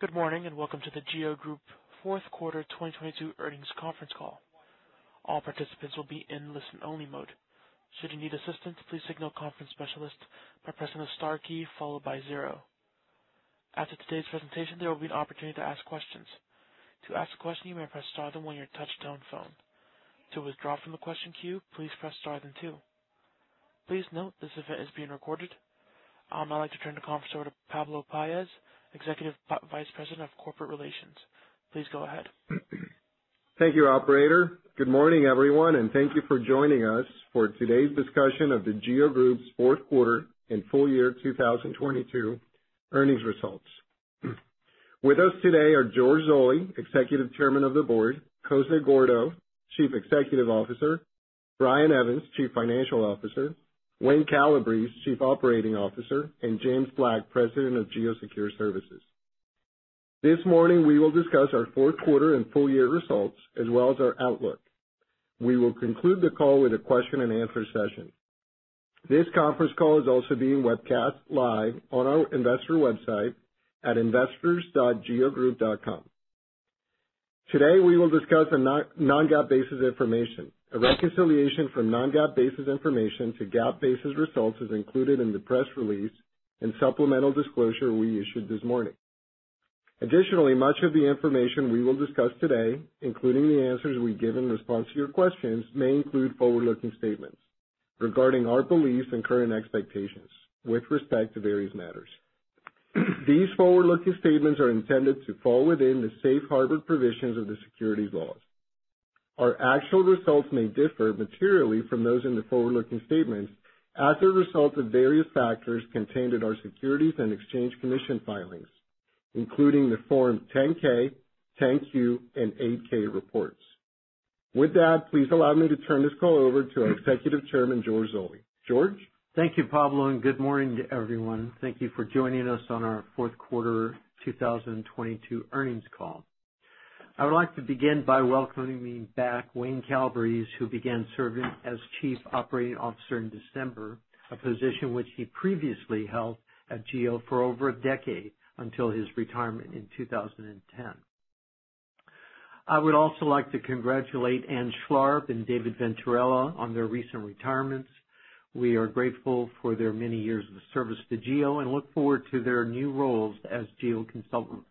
Good morning, welcome to The GEO Group fourth quarter 2022 earnings conference call. All participants will be in listen-only mode. Should you need assistance, please signal the conference specialist by pressing the star key followed by 0. After today's presentation, there will be an opportunity to ask questions. To ask a question, you may press star then one on your touch-tone phone. To withdraw from the question queue, please press star then two. Please note this event is being recorded. I'd like to turn the conference over to Pablo Paez, Executive Vice President of Corporate Relations. Please go ahead. Thank you, operator. Good morning, everyone, thank you for joining us for today's discussion of The GEO Group's fourth quarter and full year 2022 earnings results. With us today are George Zoley, Executive Chairman of the Board, Jose Gordo, Chief Executive Officer, Brian Evans, Chief Financial Officer, Wayne Calabrese, Chief Operating Officer, and James Black, President of GEO Secure Services. This morning, we will discuss our fourth quarter and full-year results as well as our outlook. We will conclude the call with a question and answer session. This conference call is also being webcast live on our investor website at investors.geogroup.com. Today, we will discuss the no-non-GAAP basis information. A reconciliation from non-GAAP basis information to GAAP basis results is included in the press release and supplemental disclosure we issued this morning. Much of the information we will discuss today, including the answers we give in response to your questions, may include forward-looking statements regarding our beliefs and current expectations with respect to various matters. These forward-looking statements are intended to fall within the safe harbor provisions of the securities laws. Our actual results may differ materially from those in the forward-looking statements as a result of various factors contained in our Securities and Exchange Commission filings, including the Form 10-K, 10-Q, and 8-K reports. With that, please allow me to turn this call over to our Executive Chairman, George Zoley. George? Thank you, Pablo, and good morning to everyone. Thank you for joining us on our fourth quarter 2022 earnings call. I would like to begin by welcoming back Wayne Calabrese, who began serving as Chief Operating Officer in December, a position which he previously held at GEO for over a decade until his retirement in 2010. I also like to congratulate Ann Schlarb and David Venturella on their recent retirements. We are grateful for their many years of service to GEO and look forward to their new roles as GEO consultants.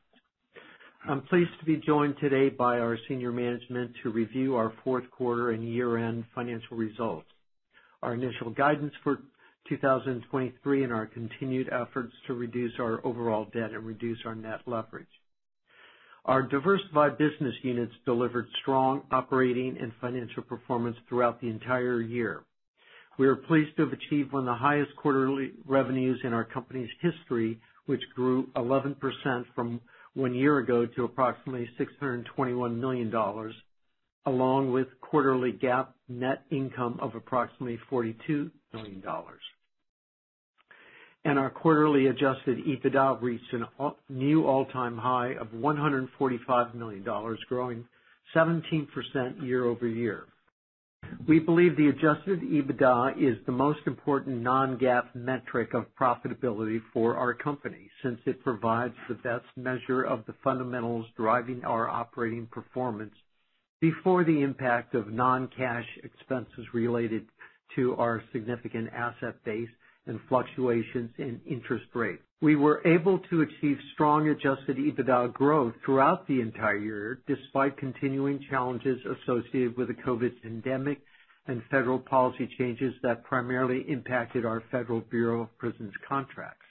I'm pleased to be joined today by our senior management to review our fourth quarter and year-end financial results, our initial guidance for 2023, and our continued efforts to reduce our overall debt and reduce our net leverage. Our diversified business units delivered strong operating and financial performance throughout the entire year. We are pleased to have achieved one of the highest quarterly revenues in our company's history, which grew 11% from one year ago to approximately $621 million, along with quarterly GAAP net income of approximately $42 million. Our quarterly adjusted EBITDA reached a new all-time high of $145 million, growing 17% year-over-year. We believe the adjusted EBITDA is the most important non-GAAP metric of profitability for our company since it provides the best measure of the fundamentals driving our operating performance before the impact of non-cash expenses related to our significant asset base and fluctuations in interest rates. We were able to achieve strong adjusted EBITDA growth throughout the entire year, despite continuing challenges associated with the COVID pandemic and federal policy changes that primarily impacted our Federal Bureau of Prisons contracts.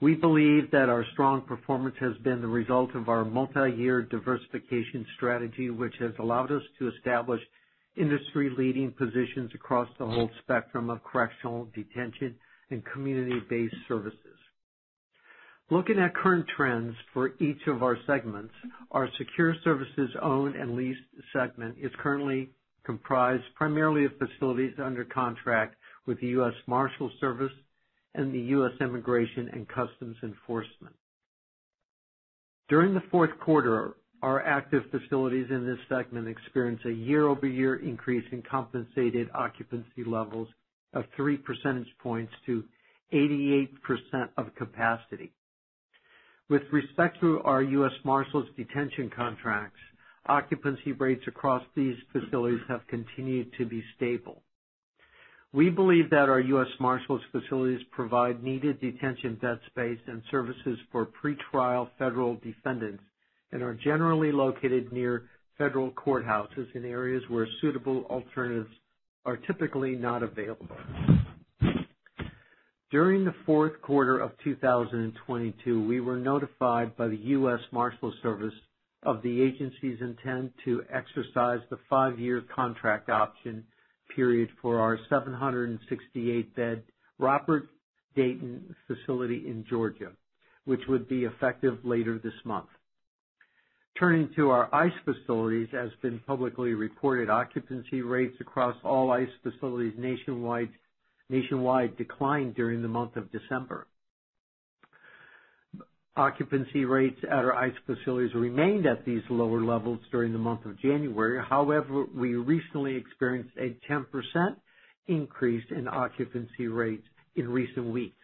We believe that our strong performance has been the result of our multi-year diversification strategy, which has allowed us to establish industry-leading positions across the whole spectrum of correctional detention and community-based services. Looking at current trends for each of our segments, our secure services owned and leased segment is currently comprised primarily of facilities under contract with the U.S. Marshals Service and the U.S. Immigration and Customs Enforcement. During the fourth quarter, our active facilities in this segment experienced a year-over-year increase in compensated occupancy levels of 3 percentage points to 88% of capacity. With respect to our U.S. Marshals detention contracts, occupancy rates across these facilities have continued to be stable. We believe that our U.S. Marshals facilities provide needed detention, debt space, and services for pretrial federal defendants and are generally located near federal courthouses in areas where suitable alternatives are typically not available. During the fourth quarter of 2022, we were notified by the U.S. Marshals Service of the agency's intent to exercise the five-year contract option period for our 768-bed Robert A. Deyton facility in Georgia, which would be effective later this month. Turning to our ICE facilities, as been publicly reported, occupancy rates across all ICE facilities nationwide declined during the month of December. Occupancy rates at our ICE facilities remained at these lower levels during the month of January. However, we recently experienced a 10% increase in occupancy rates in recent weeks.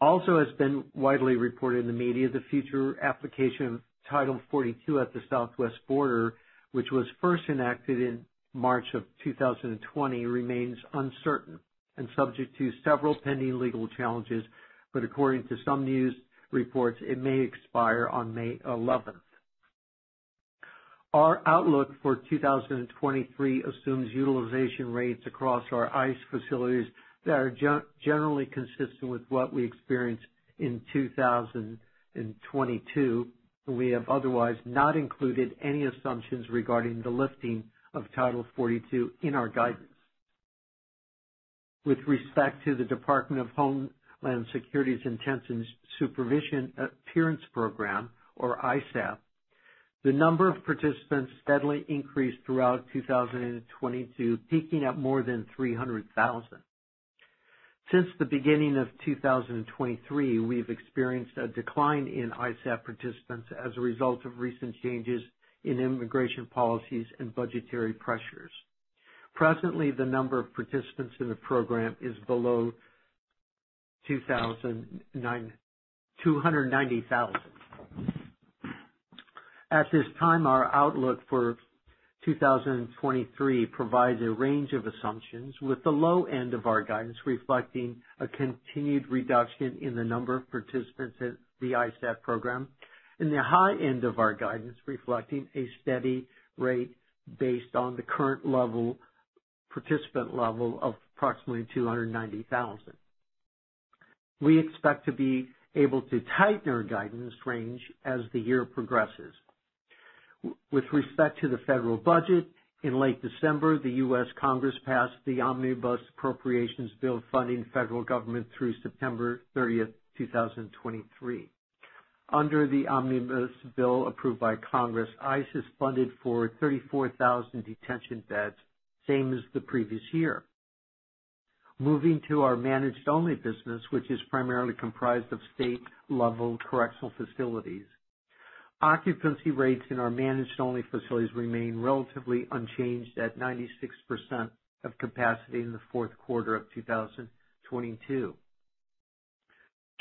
Also has been widely reported in the media, the future application of Title 42 at the Southwest border, which was first enacted in March of 2020, remains uncertain and subject to several pending legal challenges, but according to some news reports, it may expire on May 11th. Our outlook for 2023 assumes utilization rates across our ICE facilities that are generally consistent with what we experienced in 2022. We have otherwise not included any assumptions regarding the lifting of Title 42 in our guidance. With respect to the Department of Homeland Security's Intensive Supervision Appearance Program, or ISAP, the number of participants steadily increased throughout 2022, peaking at more than 300,000. Since the beginning of 2023, we've experienced a decline in ISAP participants as a result of recent changes in immigration policies and budgetary pressures. Presently, the number of participants in the program is below 290,000. At this time, our outlook for 2023 provides a range of assumptions, with the low end of our guidance reflecting a continued reduction in the number of participants in the ISAP program, and the high end of our guidance reflecting a steady rate based on the current level, participant level of approximately 290,000. We expect to be able to tighten our guidance range as the year progresses. With respect to the federal budget, in late December, the U.S. Congress passed the Omnibus Appropriations Bill funding federal government through September 30th, 2023. Under the Omnibus Bill approved by Congress, ICE is funded for 34,000 detention beds, same as the previous year. Moving to our managed only business, which is primarily comprised of state-level correctional facilities. Occupancy rates in our managed only facilities remain relatively unchanged at 96% of capacity in the fourth quarter of 2022.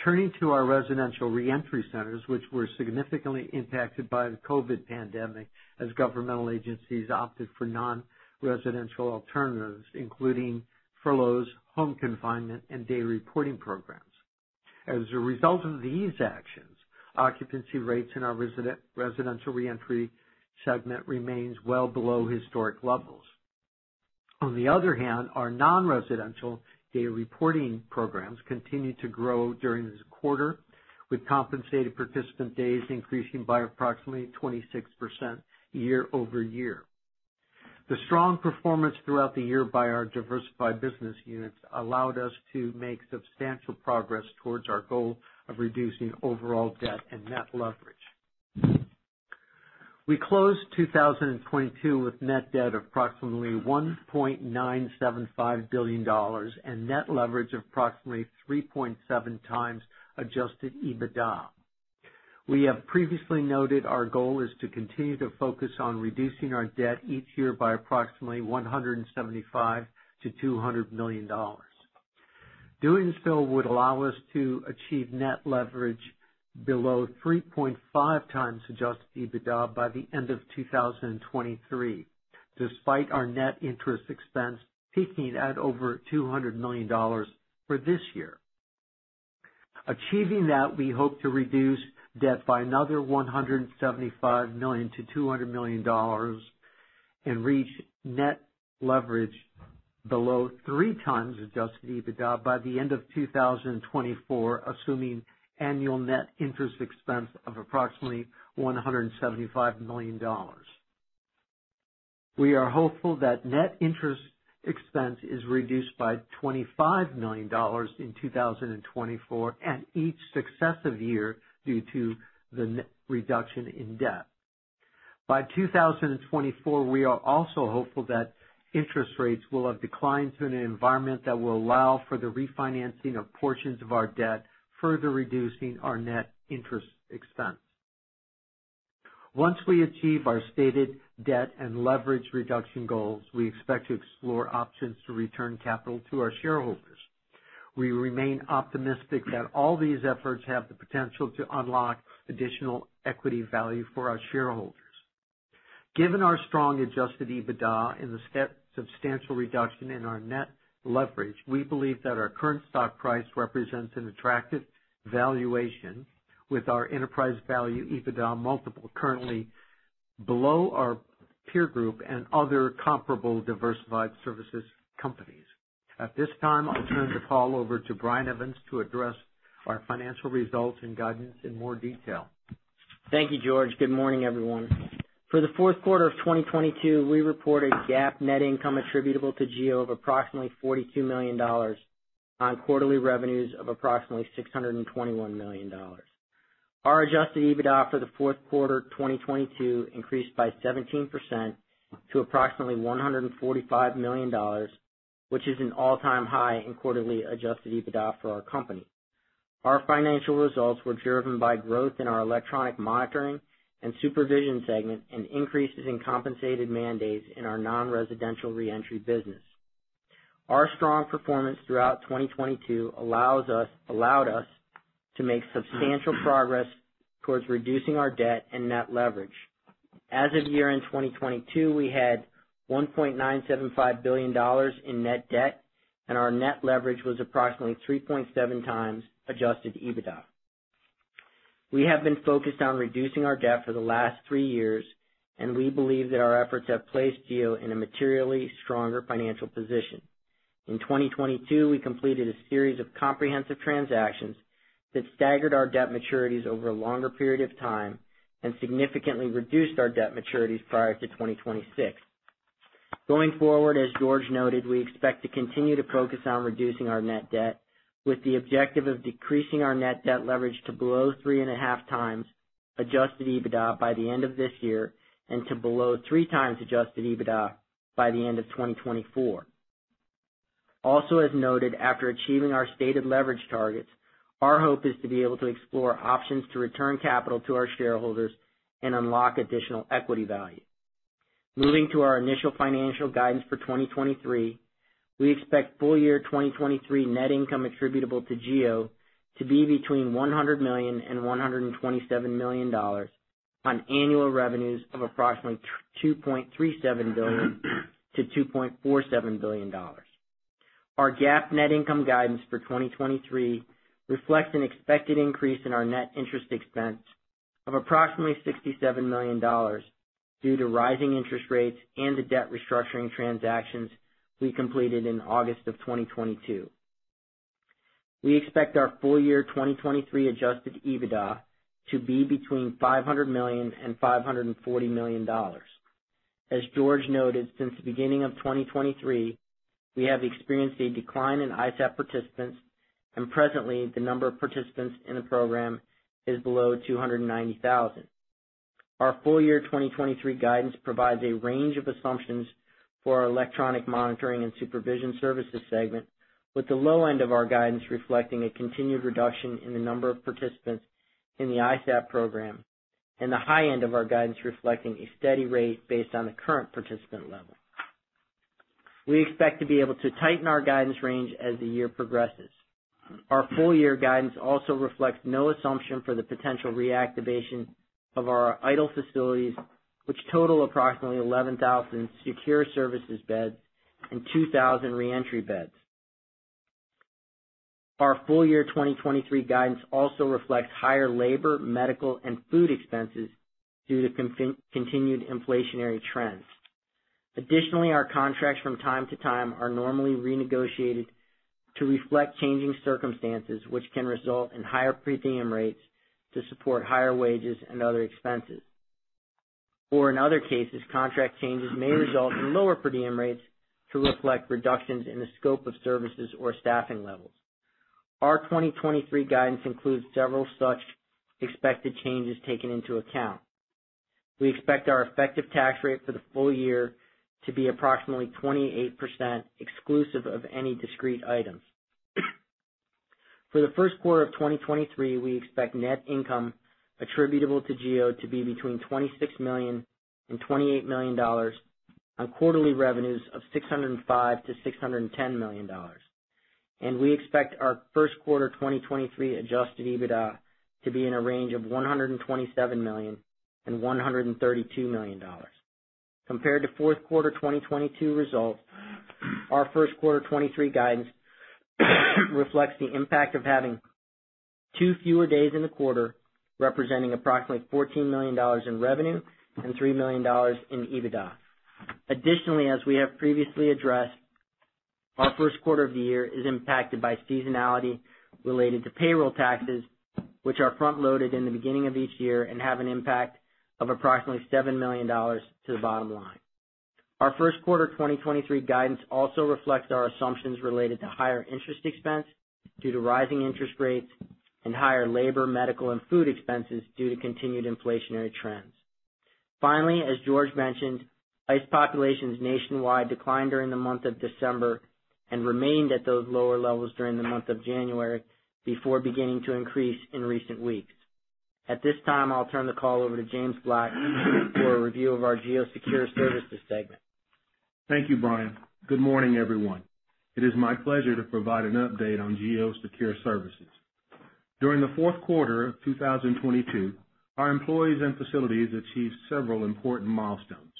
Turning to our residential reentry centers, which were significantly impacted by the COVID pandemic as governmental agencies opted for non-residential alternatives, including furloughs, home confinement, and day reporting programs. As a result of these actions, occupancy rates in our residential reentry segment remains well below historic levels. On the other hand, our non-residential day reporting programs continued to grow during this quarter, with compensated participant days increasing by approximately 26% year-over-year. The strong performance throughout the year by our diversified business units allowed us to make substantial progress towards our goal of reducing overall debt and net leverage. We closed 2022 with net debt of approximately $1.975 billion and net leverage of approximately 3.7x adjusted EBITDA. We have previously noted our goal is to continue to focus on reducing our debt each year by approximately $175 million-$200 million. Doing so would allow us to achieve net leverage below 3.5x adjusted EBITDA by the end of 2023, despite our net interest expense peaking at over $200 million for this year. Achieving that, we hope to reduce debt by another $175 million-$200 million and reach net leverage below 3x adjusted EBITDA by the end of 2024, assuming annual net interest expense of approximately $175 million. We are hopeful that net interest expense is reduced by $25 million in 2024 and each successive year due to the reduction in debt. By 2024, we are also hopeful that interest rates will have declined to an environment that will allow for the refinancing of portions of our debt, further reducing our net interest expense. Once we achieve our stated debt and leverage reduction goals, we expect to explore options to return capital to our shareholders. We remain optimistic that all these efforts have the potential to unlock additional equity value for our shareholders. Given our strong adjusted EBITDA and the substantial reduction in our net leverage, we believe that our current stock price represents an attractive valuation with our enterprise value to EBITDA multiple currently below our peer group and other comparable diversified services companies. At this time, I'll turn the call over to Brian Evans to address our financial results and guidance in more detail. Thank you, George. Good morning, everyone. For the fourth quarter of 2022, we reported GAAP net income attributable to GEO of approximately $42 million on quarterly revenues of approximately $621 million. Our adjusted EBITDA for the fourth quarter of 2022 increased by 17% to approximately $145 million, which is an all-time high in quarterly adjusted EBITDA for our company. Our financial results were driven by growth in our electronic monitoring and supervision segment and increases in compensated mandates in our non-residential reentry business. Our strong performance throughout 2022 allowed us to make substantial progress towards reducing our debt and net leverage. As of year-end 2022, we had $1.975 billion in net debt, and our net leverage was approximately 3.7x adjusted EBITDA. We have been focused on reducing our debt for the last three years, and we believe that our efforts have placed GEO in a materially stronger financial position. In 2022, we completed a series of comprehensive transactions that staggered our debt maturities over a longer period of time and significantly reduced our debt maturities prior to 2026. Going forward, as George noted, we expect to continue to focus on reducing our net debt, with the objective of decreasing our net debt leverage to below 3.5x adjusted EBITDA by the end of this year and to below 3x adjusted EBITDA by the end of 2024. Also, as noted, after achieving our stated leverage targets, our hope is to be able to explore options to return capital to our shareholders and unlock additional equity value. Moving to our initial financial guidance for 2023, we expect full year 2023 net income attributable to GEO to be between $100 million and $127 million on annual revenues of approximately $2.37 billion-$2.47 billion. Our GAAP net income guidance for 2023 reflects an expected increase in our net interest expense of approximately $67 million due to rising interest rates and the debt restructuring transactions we completed in August of 2022. We expect our full year 2023 adjusted EBITDA to be between $500 million and $540 million. As George noted, since the beginning of 2023, we have experienced a decline in ISAP participants, and presently, the number of participants in the program is below 290,000. Our full year 2023 guidance provides a range of assumptions for our electronic monitoring and supervision services segment, with the low end of our guidance reflecting a continued reduction in the number of participants in the ISAP program, and the high end of our guidance reflecting a steady rate based on the current participant level. We expect to be able to tighten our guidance range as the year progresses. Our full year guidance also reflects no assumption for the potential reactivation of our idle facilities, which total approximately 11,000 Secure Services beds and 2,000 Reentry beds. Our full year 2023 guidance also reflects higher labor, medical, and food expenses due to continued inflationary trends. Additionally, our contracts from time to time are normally renegotiated to reflect changing circumstances, which can result in higher per diem rates to support higher wages and other expenses. Or in other cases, contract changes may result in lower per diem rates to reflect reductions in the scope of services or staffing levels. Our 2023 guidance includes several such expected changes taken into account. We expect our effective tax rate for the full year to be approximately 28% exclusive of any discrete items. For the first quarter of 2023, we expect net income attributable to GEO to be between $26 million and $28 million on quarterly revenues of $605 million-$610 million. We expect our first quarter 2023 adjusted EBITDA to be in a range of $127 million and $132 million. Compared to fourth quarter 2022 results, our first quarter 2023 guidance reflects the impact of having two fewer days in the quarter, representing approximately $14 million in revenue and $3 million in EBITDA. As we have previously addressed, our first quarter of the year is impacted by seasonality related to payroll taxes, which are front-loaded in the beginning of each year and have an impact of approximately $7 million to the bottom line. Our first quarter 2023 guidance also reflects our assumptions related to higher interest expense due to rising interest rates and higher labor, medical, and food expenses due to continued inflationary trends. As George mentioned, ICE populations nationwide declined during the month of December and remained at those lower levels during the month of January before beginning to increase in recent weeks. At this time, I'll turn the call over to James Black for a review of our GEO Secure Services segment. Thank you, Brian. Good morning, everyone. It is my pleasure to provide an update on GEO Secure Services. During the fourth quarter of 2022, our employees and facilities achieved several important milestones.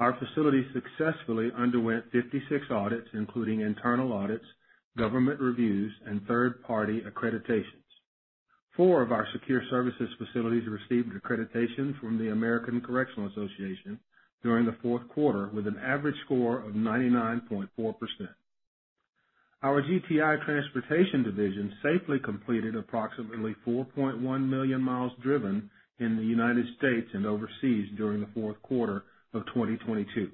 Our facilities successfully underwent 56 audits, including internal audits, government reviews, and third-party accreditations. Four of our secure services facilities received accreditation from the American Correctional Association during the fourth quarter, with an average score of 99.4%. Our GTI transportation division safely completed approximately 4.1 million mi driven in the United States and overseas during the fourth quarter of 2022.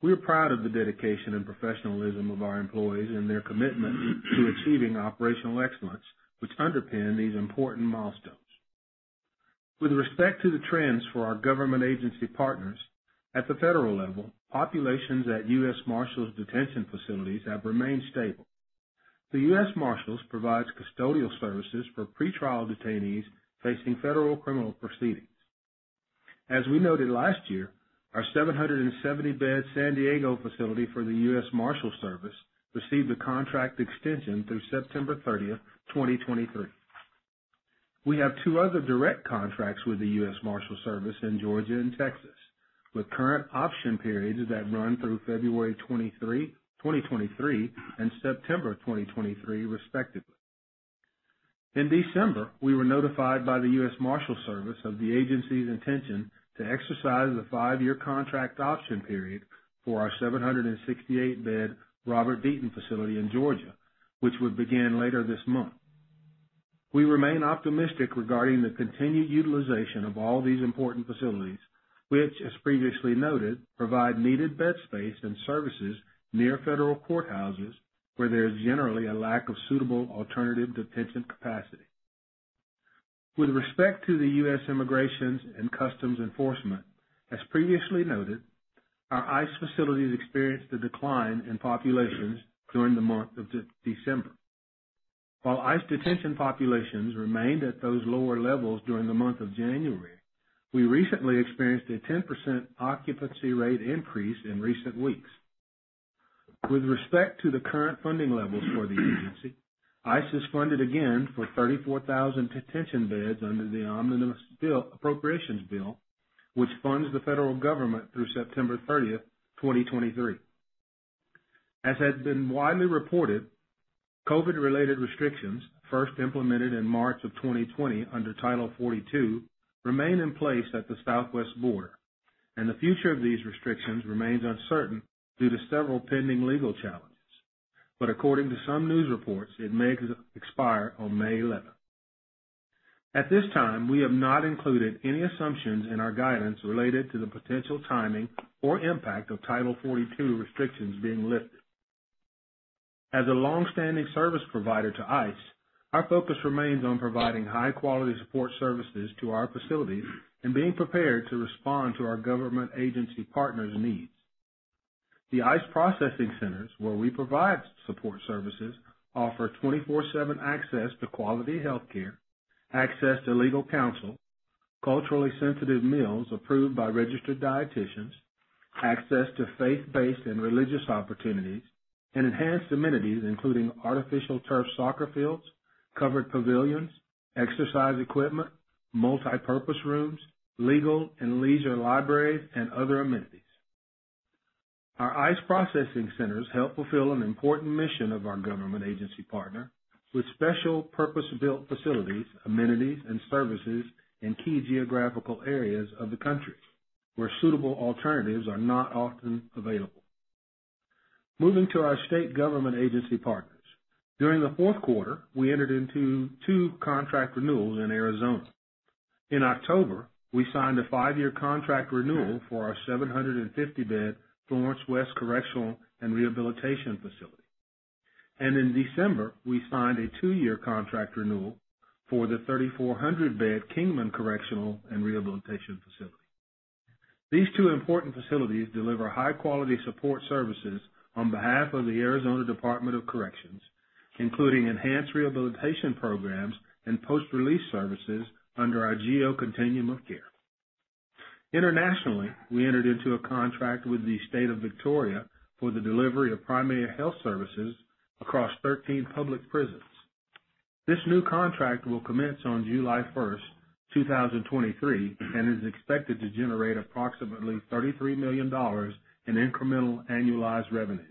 We are proud of the dedication and professionalism of our employees and their commitment to achieving operational excellence, which underpin these important milestones. With respect to the trends for our government agency partners, at the federal level, populations at U.S. Marshals detention facilities have remained stable. The U.S. Marshals provides custodial services for pretrial detainees facing federal criminal proceedings. As we noted last year, our 770 bed San Diego facility for the U.S. Marshals Service received a contract extension through September 30th, 2023. We have two other direct contracts with the U.S. Marshals Service in Georgia and Texas, with current option periods that run through February 23, 2023, and September 2023 respectively. In December, we were notified by the U.S. Marshals Service of the agency's intention to exercise a five-year contract option period for our 768 bed Robert A. Deyton facility in Georgia, which would begin later this month. We remain optimistic regarding the continued utilization of all these important facilities, which, as previously noted, provide needed bed space and services near federal courthouses where there's generally a lack of suitable alternative detention capacity. With respect to the U.S. Immigration and Customs Enforcement, as previously noted, our ICE facilities experienced a decline in populations during the month of December. While ICE detention populations remained at those lower levels during the month of January, we recently experienced a 10% occupancy rate increase in recent weeks. With respect to the current funding levels for the agency, ICE is funded again for 34,000 detention beds under the Omnibus Appropriations Bill, which funds the federal government through September 30th, 2023. As has been widely reported, COVID-related restrictions, first implemented in March of 2020 under Title 42, remain in place at the southwest border, and the future of these restrictions remains uncertain due to several pending legal challenges. According to some news reports, it may expire on May 11th. At this time, we have not included any assumptions in our guidance related to the potential timing or impact of Title 42 restrictions being lifted. As a longstanding service provider to ICE, our focus remains on providing high-quality support services to our facilities and being prepared to respond to our government agency partners' needs. The ICE Processing Centers, where we provide support services, offer 24/7 access to quality healthcare, access to legal counsel, culturally sensitive meals approved by registered dietitians, access to faith-based and religious opportunities, and enhanced amenities, including artificial turf soccer fields, covered pavilions, exercise equipment, multipurpose rooms, legal and leisure libraries, and other amenities. Our ICE Processing Centers help fulfill an important mission of our government agency partner with special purpose-built facilities, amenities and services in key geographical areas of the country where suitable alternatives are not often available. Moving to our state government agency partners. During the fourth quarter, we entered into two contract renewals in Arizona. In October, we signed a five-year contract renewal for our 750-bed Florence West Correctional and Rehabilitation facility. In December, we signed a two-year contract renewal for the 3,400-bed Kingman Correctional and Rehabilitation facility. These two important facilities deliver high-quality support services on behalf of the Arizona Department of Corrections, including enhanced rehabilitation programs and post-release services under our GEO Continuum of Care. Internationally, we entered into a contract with the State of Victoria for the delivery of primary health services across 13 public prisons. This new contract will commence on July 1st, 2023, and is expected to generate approximately $33 million in incremental annualized revenues.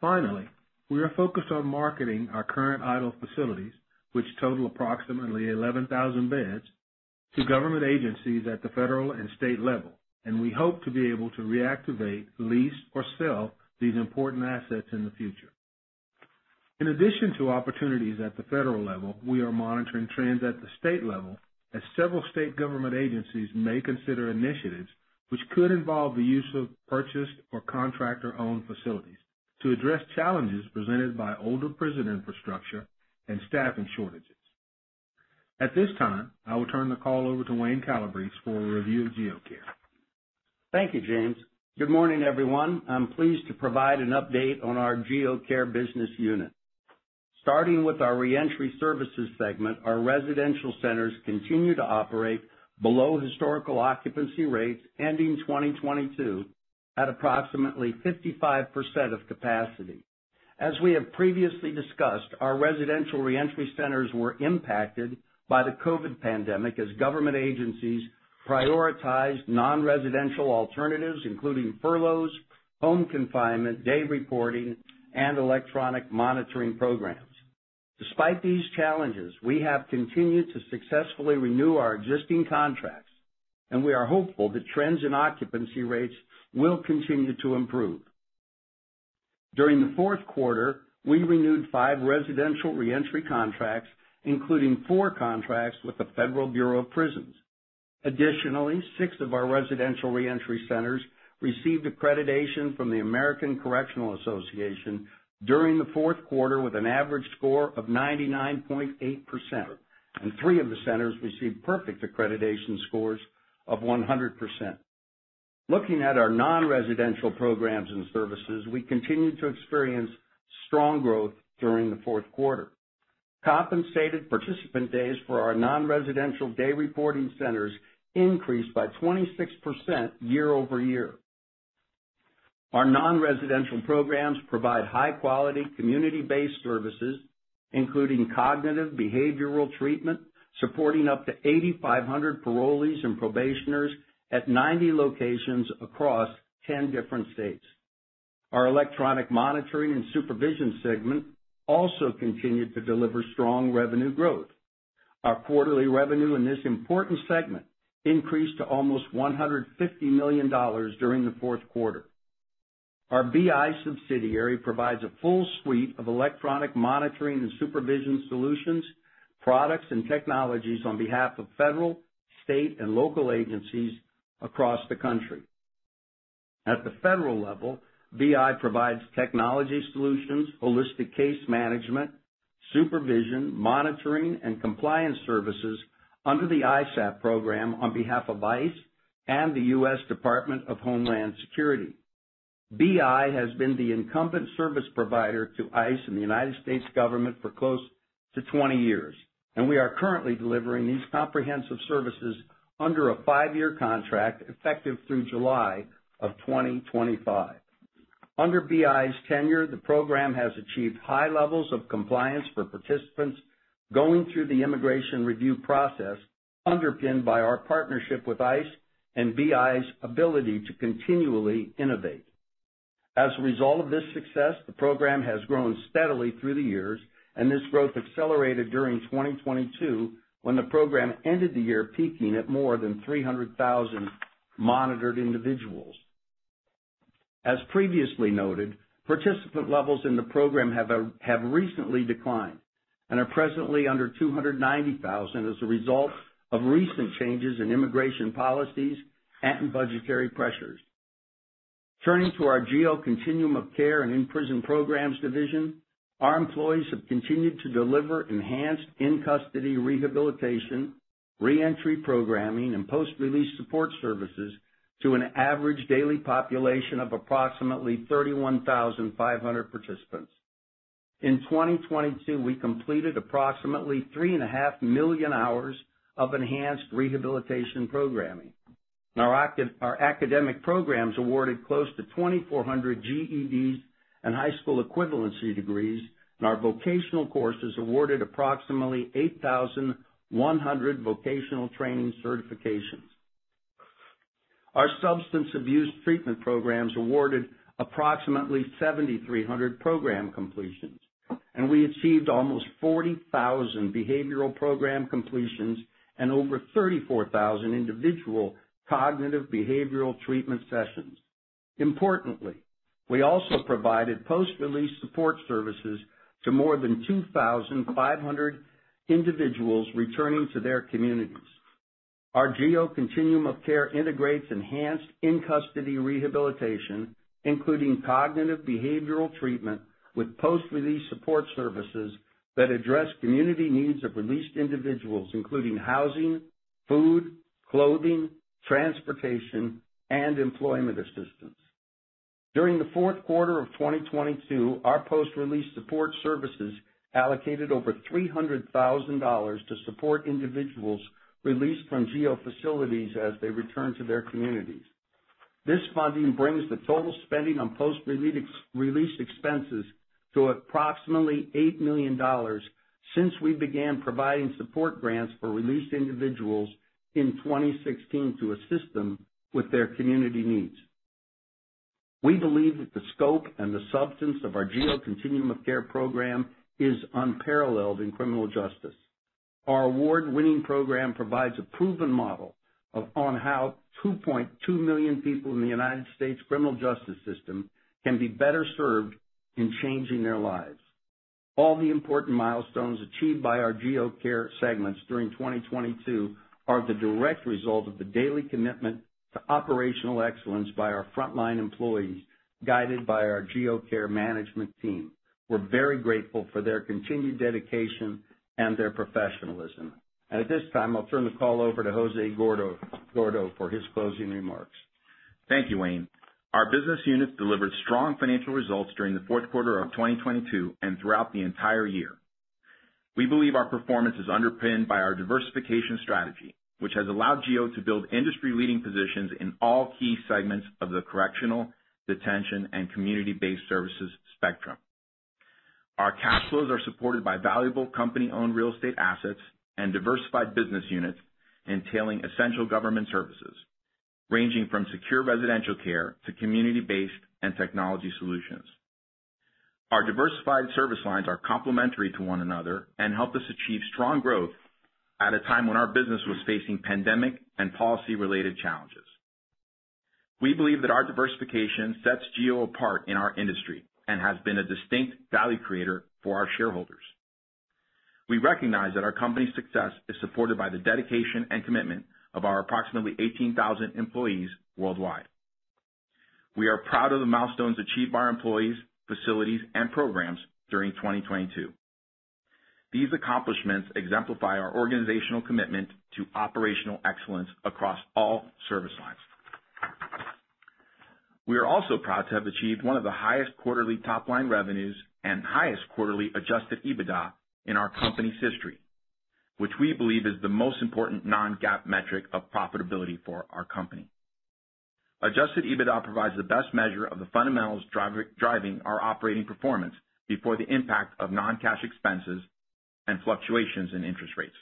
Finally, we are focused on marketing our current idle facilities, which total approximately 11,000 beds, to government agencies at the federal and state level, and we hope to be able to reactivate, lease, or sell these important assets in the future. In addition to opportunities at the federal level, we are monitoring trends at the state level as several state government agencies may consider initiatives which could involve the use of purchased or contractor-owned facilities to address challenges presented by older prison infrastructure and staffing shortages. At this time, I will turn the call over to Wayne Calabrese for a review of GEO Care. Thank you, James. Good morning, everyone. I'm pleased to provide an update on our GEO Care business unit. Starting with our reentry services segment, our residential centers continue to operate below historical occupancy rates ending 2022 at approximately 55% of capacity. As we have previously discussed, our residential reentry centers were impacted by the COVID pandemic as government agencies prioritized non-residential alternatives, including furloughs, home confinement, day reporting, and electronic monitoring programs. Despite these challenges, we have continued to successfully renew our existing contracts, and we are hopeful that trends in occupancy rates will continue to improve. During the fourth quarter, we renewed five residential reentry contracts, including four contracts with the Federal Bureau of Prisons. Additionally, six of our residential reentry centers received accreditation from the American Correctional Association during the fourth quarter with an average score of 99.8%, and three of the centers received perfect accreditation scores of 100%. Looking at our non-residential programs and services, we continued to experience strong growth during the fourth quarter. Compensated participant days for our non-residential day reporting centers increased by 26% year-over-year. Our non-residential programs provide high quality community-based services, including cognitive behavioral treatment, supporting up to 8,500 parolees and probationers at 90 locations across 10 different states. Our electronic monitoring and supervision segment also continued to deliver strong revenue growth. Our quarterly revenue in this important segment increased to almost $150 million during the fourth quarter. Our BI subsidiary provides a full suite of electronic monitoring and supervision solutions, products, and technologies on behalf of federal, state, and local agencies across the country. At the federal level, BI provides technology solutions, holistic case management, supervision, monitoring, and compliance services under the ISAP program on behalf of ICE and the U.S. Department of Homeland Security. BI has been the incumbent service provider to ICE in the United States government for close to 20 years, and we are currently delivering these comprehensive services under a five-year contract effective through July of 2025. Under BI's tenure, the program has achieved high levels of compliance for participants going through the immigration review process, underpinned by our partnership with ICE and BI's ability to continually innovate. As a result of this success, the program has grown steadily through the years, and this growth accelerated during 2022 when the program ended the year peaking at more than 300,000 monitored individuals. As previously noted, participant levels in the program have recently declined and are presently under 290,000 as a result of recent changes in immigration policies and budgetary pressures. Turning to our GEO Continuum of Care and Imprisonment Programs division, our employees have continued to deliver enhanced in-custody rehabilitation, re-entry programming, and post-release support services to an average daily population of approximately 31,500 participants. In 2022, we completed approximately 3.5 million hours of enhanced rehabilitation programming. Our academic programs awarded close to 2,400 GEDs and high school equivalency degrees, and our vocational courses awarded approximately 8,100 vocational training certifications. Our substance abuse treatment programs awarded approximately 7,300 program completions, and we achieved almost 40,000 behavioral program completions and over 34,000 individual cognitive behavioral treatment sessions. Importantly, we also provided post-release support services to more than 2,500 individuals returning to their communities. Our GEO Continuum of Care integrates enhanced in-custody rehabilitation, including cognitive behavioral treatment with post-release support services that address community needs of released individuals, including housing, food, clothing, transportation, and employment assistance. During the fourth quarter of 2022, our post-release support services allocated over $300,000 to support individuals released from GEO facilities as they return to their communities. This funding brings the total spending on post-release, release expenses to approximately $8 million since we began providing support grants for released individuals in 2016 to assist them with their community needs. We believe that the scope and the substance of our GEO Continuum of Care program is unparalleled in criminal justice. Our award-winning program provides a proven model of on how 2.2 million people in the United States criminal justice system can be better served in changing their lives. All the important milestones achieved by our GEO Care segments during 2022 are the direct result of the daily commitment to operational excellence by our frontline employees, guided by our GEO Care management team. We're very grateful for their continued dedication and their professionalism. At this time, I'll turn the call over to Jose Gordo for his closing remarks. Thank you, Wayne. Our business unit delivered strong financial results during the fourth quarter of 2022 and throughout the entire year. We believe our performance is underpinned by our diversification strategy, which has allowed GEO to build industry-leading positions in all key segments of the correctional, detention, and community-based services spectrum. Our cash flows are supported by valuable company-owned real estate assets and diversified business units entailing essential government services, ranging from secure residential care to community-based and technology solutions. Our diversified service lines are complementary to one another and help us achieve strong growth at a time when our business was facing pandemic and policy-related challenges. We believe that our diversification sets GEO apart in our industry and has been a distinct value creator for our shareholders. We recognize that our company's success is supported by the dedication and commitment of our approximately 18,000 employees worldwide. We are proud of the milestones achieved by our employees, facilities, and programs during 2022. These accomplishments exemplify our organizational commitment to operational excellence across all service lines. We are also proud to have achieved one of the highest quarterly top-line revenues and highest quarterly adjusted EBITDA in our company's history, which we believe is the most important non-GAAP metric of profitability for our company. Adjusted EBITDA provides the best measure of the fundamentals driving our operating performance before the impact of non-cash expenses and fluctuations in interest rates.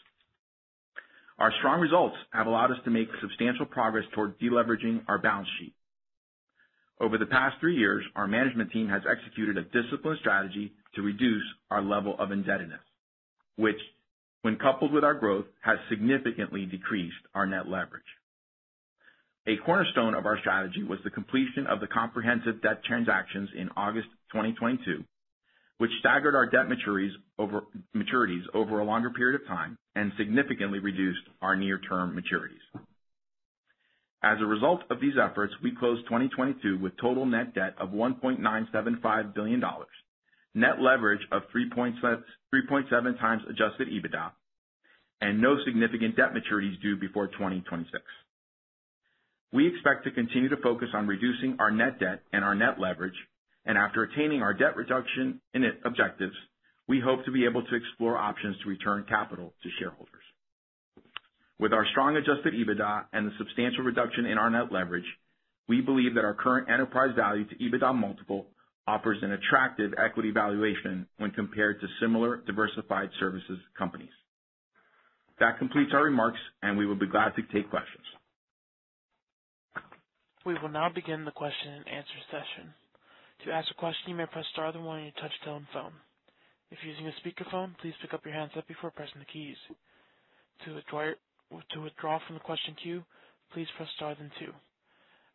Our strong results have allowed us to make substantial progress toward deleveraging our balance sheet. Over the past three years, our management team has executed a disciplined strategy to reduce our level of indebtedness, which, when coupled with our growth, has significantly decreased our net leverage. A cornerstone of our strategy was the completion of the comprehensive debt transactions in August 2022, which staggered our debt maturities over a longer period of time and significantly reduced our near-term maturities. As a result of these efforts, we closed 2022 with total net debt of $1.975 billion, net leverage of 3.7x adjusted EBITDA, and no significant debt maturities due before 2026. We expect to continue to focus on reducing our net debt and our net leverage, and after attaining our debt reduction objectives, we hope to be able to explore options to return capital to shareholders. With our strong adjusted EBITDA and the substantial reduction in our net leverage, we believe that our current enterprise value to EBITDA multiple offers an attractive equity valuation when compared to similar diversified services companies. That completes our remarks, and we will be glad to take questions. We will now begin the question and answer session. To ask a question, you may press star then one on your touch-tone phone. If you're using a speakerphone, please pick up your handset before pressing the keys. To withdraw from the question queue, please press star then two.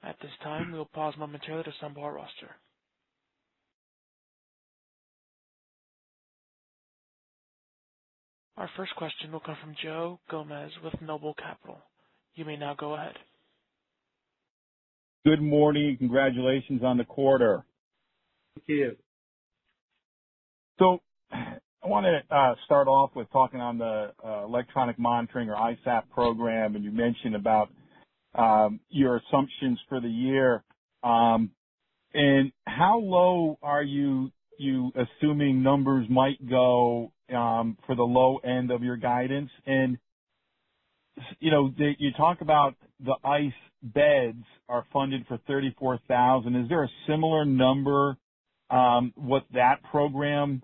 At this time, we will pause momentarily to assemble our roster. Our first question will come from Joe Gomes with Noble Capital. You may now go ahead. Good morning. Congratulations on the quarter. Thank you. I wanna start off with talking on the electronic monitoring or ISAP program, and you mentioned about your assumptions for the year. How low are you assuming numbers might go for the low end of your guidance? You know, you talk about the ICE beds are funded for 34,000. Is there a similar number what that program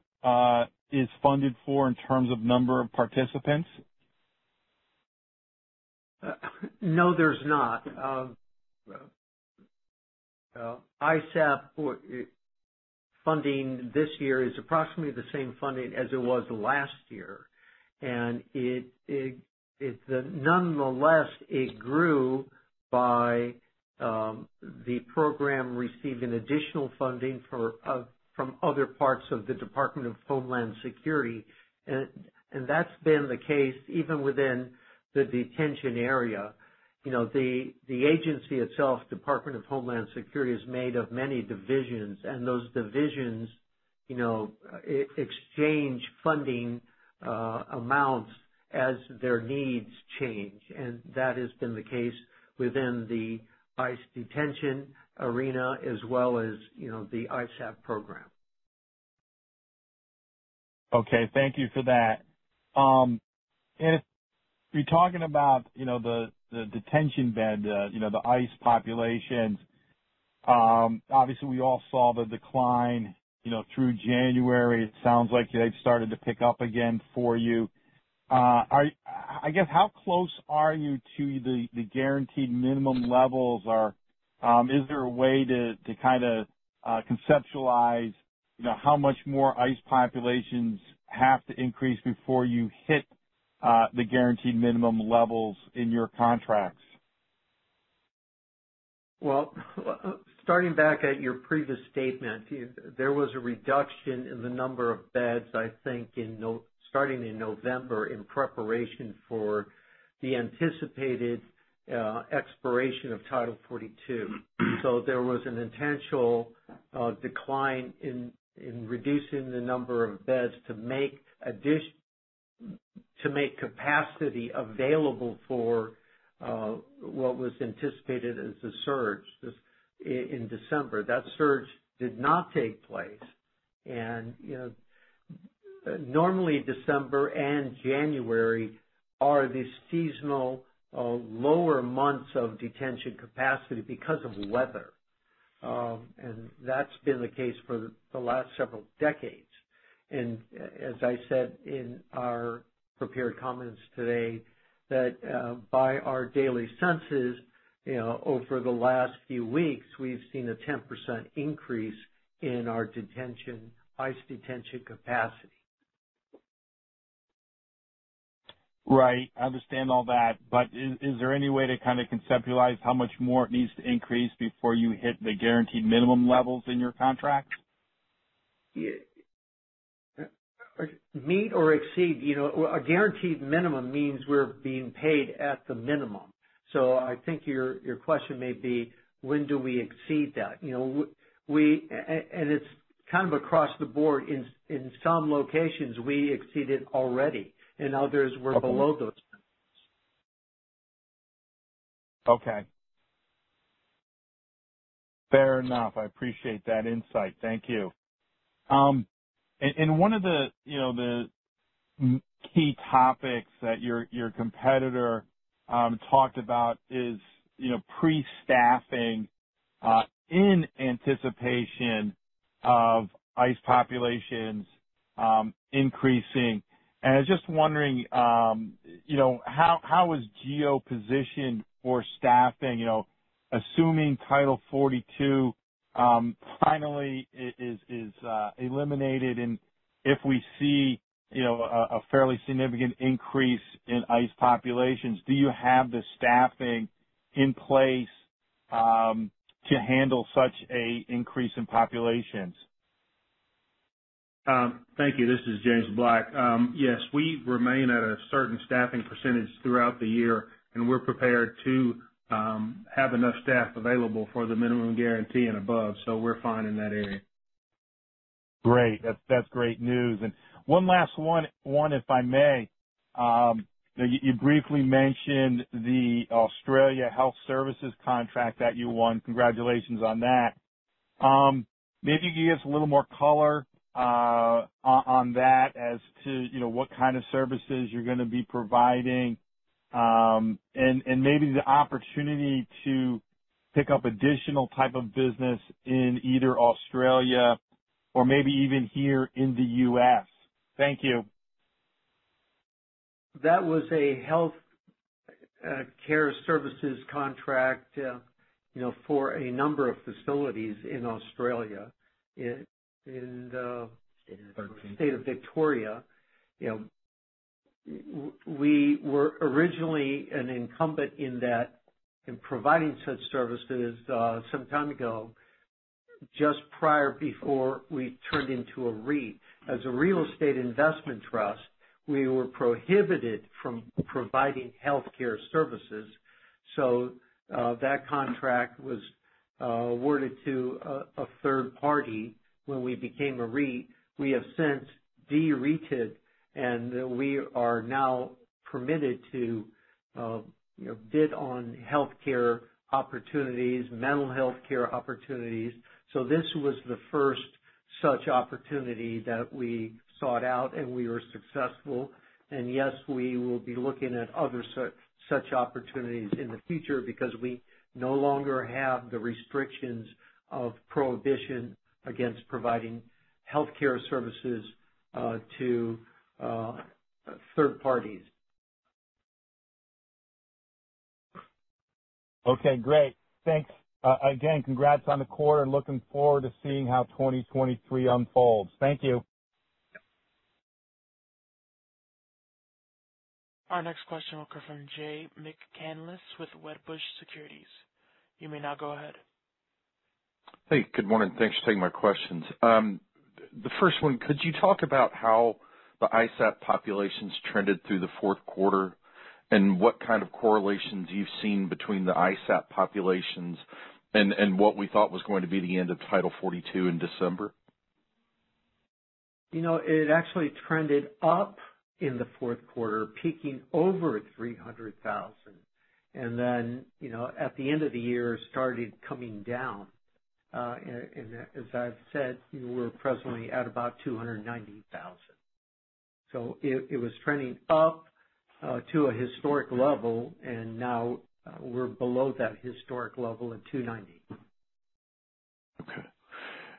is funded for in terms of number of participants? No, there's not. ISAP funding this year is approximately the same funding as it was last year. It nonetheless, it grew by the program receiving additional funding for from other parts of the Department of Homeland Security. That's been the case even within the detention area. You know, the agency itself, Department of Homeland Security, is made of many divisions, and those divisions, you know, e-exchange funding amounts as their needs change. That has been the case within the ICE detention arena as well as, you know, the ISAP program. Okay. Thank you for that. If you're talking about, you know, the detention bed, you know, the ICE populations, obviously we all saw the decline, you know, through January. It sounds like they've started to pick up again for you. I guess how close are you to the guaranteed minimum levels or is there a way to kinda, conceptualize, you know, how much more ICE populations have to increase before you hit, the guaranteed minimum levels in your contracts? Starting back at your previous statement, there was a reduction in the number of beds, I think starting in November in preparation for the anticipated expiration of Title 42. There was an intentional decline in reducing the number of beds to make capacity available for what was anticipated as the surge in December. That surge did not take place. You know, normally December and January are the seasonal lower months of detention capacity because of weather. That's been the case for the last several decades. As I said in our prepared comments today that by our daily census, you know, over the last few weeks, we've seen a 10% increase in our detention, ICE detention capacity. Right. I understand all that. Is there any way to kinda conceptualize how much more it needs to increase before you hit the guaranteed minimum levels in your contract? Yeah. Meet or exceed, you know. A guaranteed minimum means we're being paid at the minimum. I think your question may be when do we exceed that? You know, it's kind of across the board. In some locations, we exceeded already, and others we're below those. Okay. Fair enough. I appreciate that insight. Thank you. One of the, you know, the key topics that your competitor, talked about is, you know, pre-staffing, in anticipation of ICE populations, increasing. I was just wondering, you know, how is GEO positioned for staffing? You know, assuming Title 42, finally is eliminated, and if we see, you know, a fairly significant increase in ICE populations, do you have the staffing in place to handle such a increase in populations? Thank you. This is James Black. Yes, we remain at a certain staffing percentage throughout the year, and we're prepared to have enough staff available for the minimum guarantee and above, so we're fine in that area. Great. That's great news. One last one, if I may. Now, you briefly mentioned the Australia health services contract that you won. Congratulations on that. Maybe you can give us a little more color on that as to, you know, what kind of services you're gonna be providing, and maybe the opportunity to pick up additional type of business in either Australia or maybe even here in the U.S. Thank you. That was a health care services contract, you know, for a number of facilities in Australia- 13. ...in the state of Victoria. You know, we were originally an incumbent in that, in providing such services, some time ago, just prior before we turned into a REIT. As a real estate investment trust, we were prohibited from providing healthcare services, that contract was awarded to a third party when we became a REIT. We have since De-REITed, and we are now permitted to, you know, bid on healthcare opportunities, mental healthcare opportunities. This was the first such opportunity that we sought out, and we were successful. Yes, we will be looking at other such opportunities in the future because we no longer have the restrictions of prohibition against providing healthcare services to third parties. Okay, great. Thanks. again, congrats on the quarter, and looking forward to seeing how 2023 unfolds. Thank you. Our next question will come from Jay McCanless with Wedbush Securities. You may now go ahead. Hey, good morning. Thanks for taking my questions. The first one, could you talk about how the ISAP populations trended through the fourth quarter, and what kind of correlations you've seen between the ISAP populations and what we thought was going to be the end of Title 42 in December? You know, it actually trended up in the fourth quarter, peaking over at 300,000. Then, you know, at the end of the year, it started coming down. And as I've said, we're presently at about 290,000. It was trending up to a historic level, and now we're below that historic level at 290. Okay.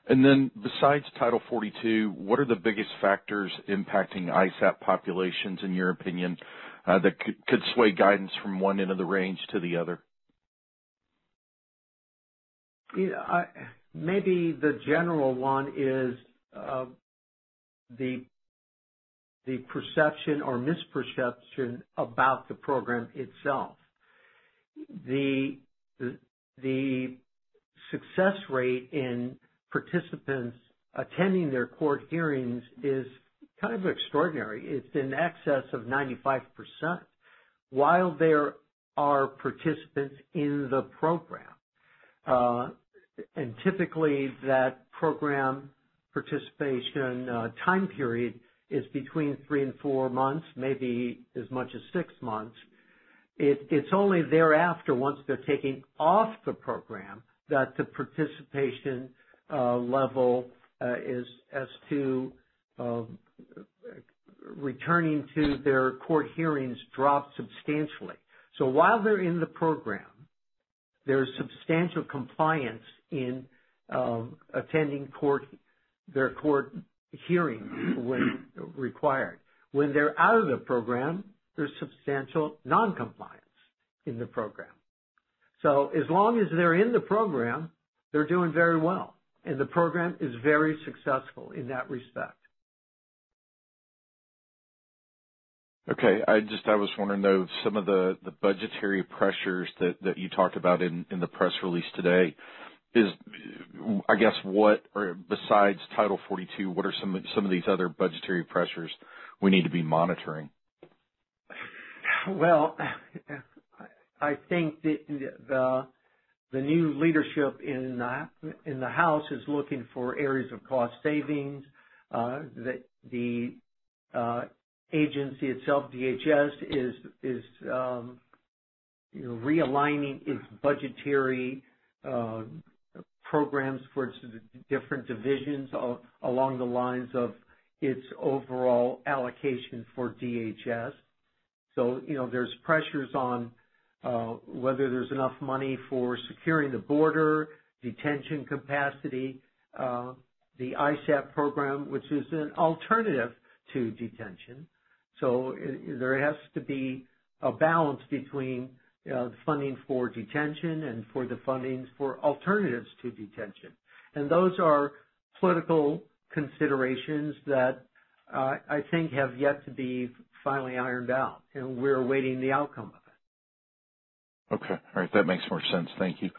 Then, besides Title 42, what are the biggest factors impacting ISAP populations, in your opinion, that could sway guidance from one end of the range to the other? You know, Maybe the general one is the perception or misperception about the program itself. The success rate in participants attending their court hearings is kind of extraordinary. It's in excess of 95% while they are participants in the program. Typically, that program participation time period is between three and four months, maybe as much as six months. It's only thereafter, once they're taking off the program, that the participation level is as to returning to their court hearings drops substantially. While they're in the program, there's substantial compliance in attending court, their court hearing when required. When they're out of the program, there's substantial non-compliance in the program. As long as they're in the program, they're doing very well, and the program is very successful in that respect. Okay. I just, I was wanting to know some of the budgetary pressures that you talked about in the press release today. I guess what, or besides Title 42, what are some of these other budgetary pressures we need to be monitoring? I think that the new leadership in the House is looking for areas of cost savings that the agency itself, DHS, is, you know, realigning its budgetary programs for its different divisions along the lines of its overall allocation for DHS. You know, there's pressures on whether there's enough money for securing the border, detention capacity, the ISAP program, which is an Alternatives to Detention. There has to be a balance between, you know, the funding for detention and for the fundings for Alternatives to Detention. Those are political considerations that I think have yet to be finally ironed out, and we're awaiting the outcome of it. Okay. All right. That makes more sense. Thank you.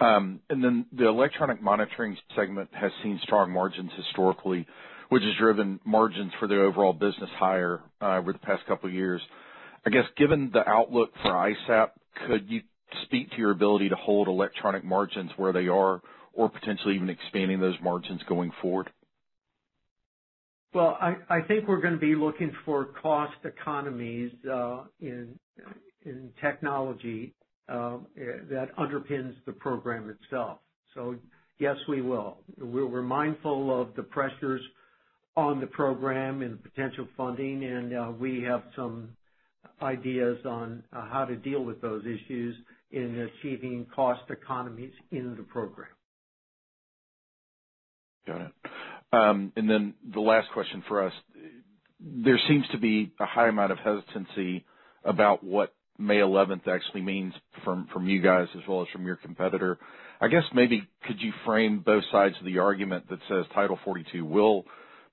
The electronic monitoring segment has seen strong margins historically, which has driven margins for the overall business higher, over the past couple of years. I guess, given the outlook for ISAP, could you speak to your ability to hold electronic margins where they are or potentially even expanding those margins going forward? Well, I think we're gonna be looking for cost economies, in technology, that underpins the program itself. Yes, we will. We're mindful of the pressures on the program and potential funding, we have some ideas on how to deal with those issues in achieving cost economies in the program. Got it. The last question for us, there seems to be a high amount of hesitancy about what May 11th actually means from you guys as well as from your competitor. I guess maybe could you frame both sides of the argument that says Title 42 will be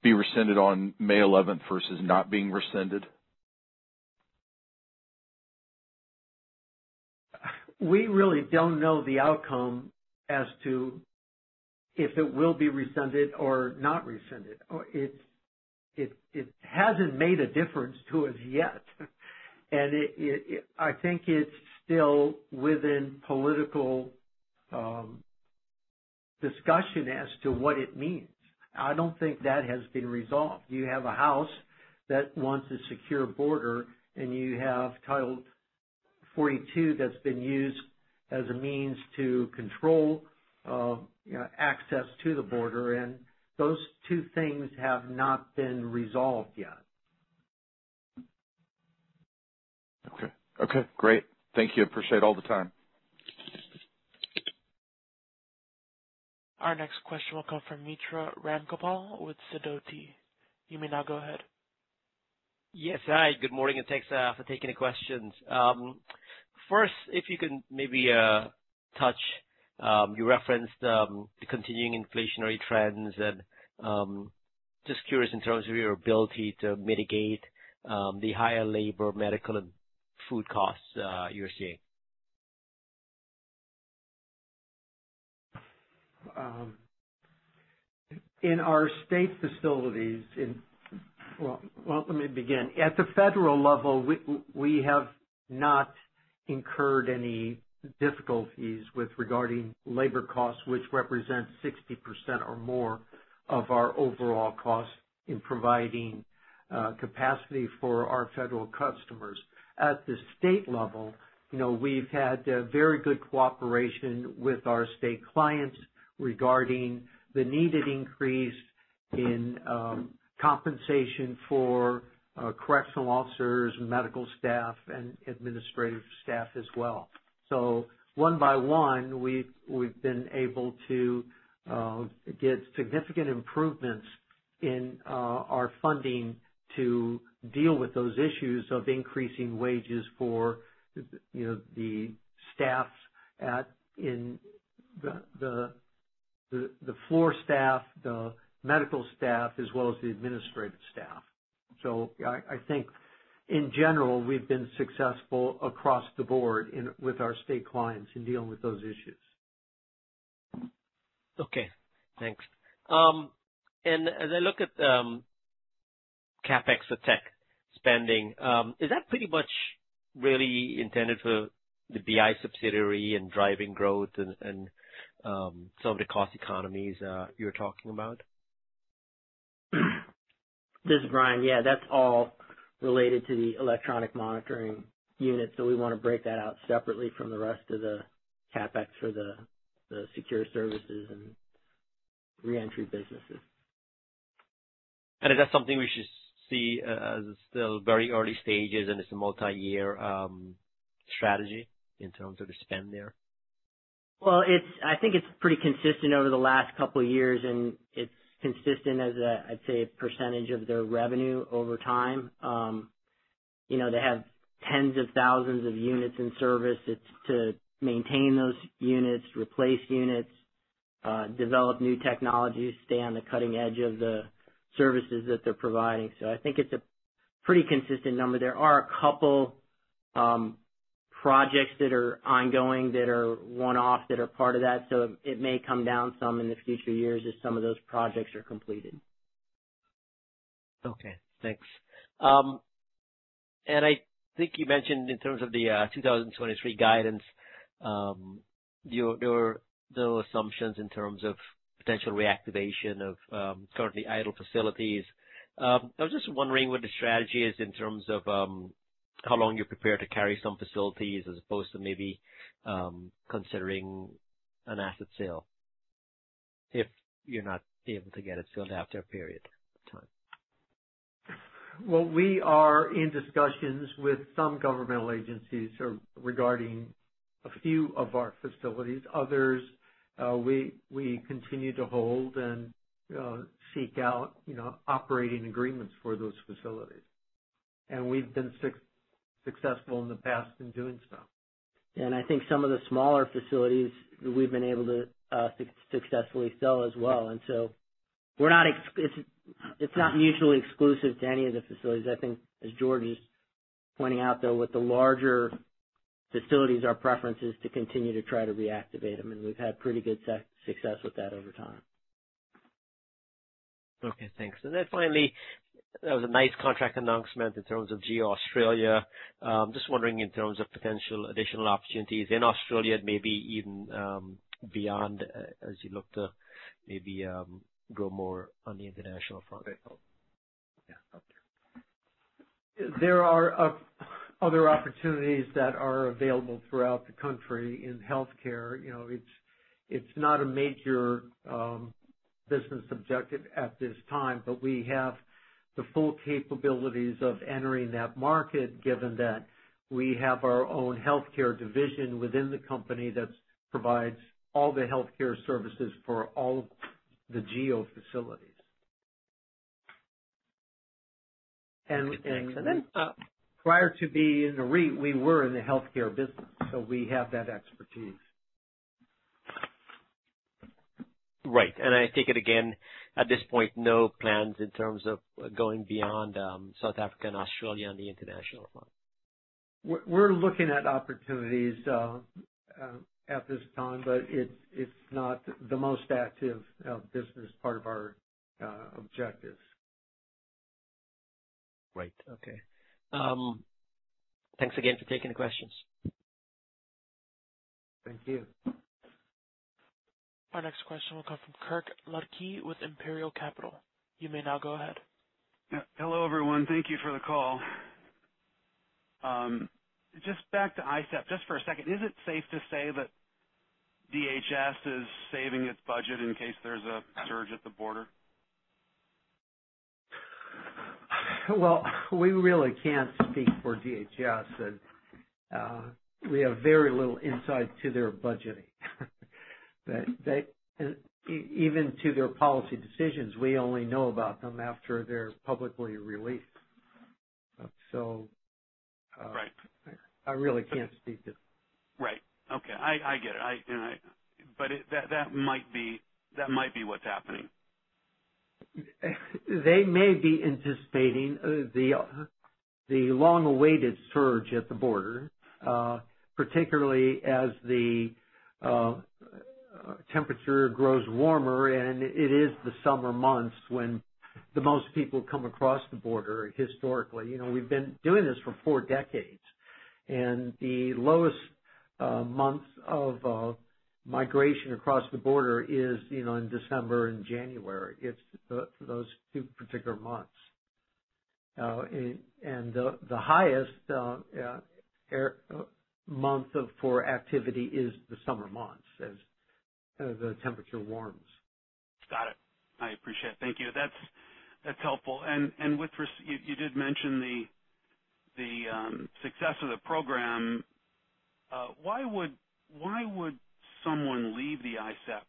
rescinded on May 11th versus not being rescinded? We really don't know the outcome as to if it will be rescinded or not rescinded. It hasn't made a difference to us yet. I think it's still within political discussion as to what it means. I don't think that has been resolved. You have a House that wants a secure border, and you have Title 42 that's been used as a means to control, you know, access to the border. Those two things have not been resolved yet. Okay. Okay, great. Thank you. Appreciate all the time. Our next question will come from Mitra Ramgopal with Sidoti. You may now go ahead. Yes. Hi, good morning, and thanks for taking the questions. First, if you can maybe touch, you referenced, the continuing inflationary trends. Just curious in terms of your ability to mitigate the higher labor, medical, and food costs you're seeing. Let me begin. At the federal level, we have not incurred any difficulties with regarding labor costs, which represent 60% or more of our overall costs in providing capacity for our federal customers. At the state level, you know, we've had very good cooperation with our state clients regarding the needed increase in compensation for correctional officers, medical staff and administrative staff as well. One by one, we've been able to get significant improvements in our funding to deal with those issues of increasing wages for, you know, the staffs at the floor staff, the medical staff, as well as the administrative staff. I think in general, we've been successful across the board in, with our state clients in dealing with those issues. Okay, thanks. As I look at, CapEx for tech spending, is that pretty much really intended for the BI subsidiary and driving growth and some of the cost economies, you're talking about? This is Brian. Yeah, that's all related to the electronic monitoring units. We wanna break that out separately from the rest of the CapEx for the Secure Services and Reentry Businesses. Is that something we should see as still very early stages and it's a multi-year strategy in terms of the spend there? Well, it's, I think it's pretty consistent over the last couple of years, and it's consistent as a, I'd say a percentage of their revenue over time. you know, they have tens of thousands of units in service. It's to maintain those units, replace units, develop new technologies, stay on the cutting edge of the services that they're providing. I think it's a pretty consistent number. There are a couple projects that are ongoing, that are one-off, that are part of that. It may come down some in the future years as some of those projects are completed. Okay, thanks. I think you mentioned in terms of the 2023 guidance, your those assumptions in terms of potential reactivation of currently idle facilities. I was just wondering what the strategy is in terms of how long you're prepared to carry some facilities as opposed to maybe considering an asset sale if you're not able to get it sold after a period of time. Well, we are in discussions with some governmental agencies regarding a few of our facilities. Others, we continue to hold and seek out, you know, operating agreements for those facilities. We've been successful in the past in doing so. I think some of the smaller facilities we've been able to successfully sell as well. It's not mutually exclusive to any of the facilities. I think as George's pointing out, though, with the larger facilities, our preference is to continue to try to reactivate them. We've had pretty good success with that over time. Okay, thanks. Finally, that was a nice contract announcement in terms of GEO Australia. Just wondering in terms of potential additional opportunities in Australia and maybe even beyond, as you look to maybe grow more on the international front. There are other opportunities that are available throughout the country in healthcare. You know, it's not a major business objective at this time, but we have the full capabilities of entering that market, given that we have our own healthcare division within the company that provides all the healthcare services for all the GEO facilities. Okay, thanks. Prior to being a REIT, we were in the healthcare business, so we have that expertise. Right. I take it again, at this point, no plans in terms of going beyond, South Africa and Australia on the international front. We're looking at opportunities at this time, but it's not the most active business part of our objectives. Right. Okay. Thanks again for taking the questions. Thank you. Our next question will come from Kirk Ludtke with Imperial Capital. You may now go ahead. Hello, everyone. Thank you for the call. Just back to ISAP just for a second. Is it safe to say that DHS is saving its budget in case there's a surge at the border? Well, we really can't speak for DHS. We have very little insight to their budgeting. Even to their policy decisions, we only know about them after they're publicly released. Right. I really can't speak to it. Right. Okay. I get it. I... That might be what's happening. They may be anticipating the long-awaited surge at the border, particularly as the temperature grows warmer. It is the summer months when the most people come across the border historically. You know, we've been doing this for four decades, and the lowest months of migration across the border is, you know, in December and January. It's those two particular months. The highest month for activity is the summer months as the temperature warms. Got it. I appreciate it. Thank you. That's helpful. You did mention the success of the program. Why would someone leave the ISAP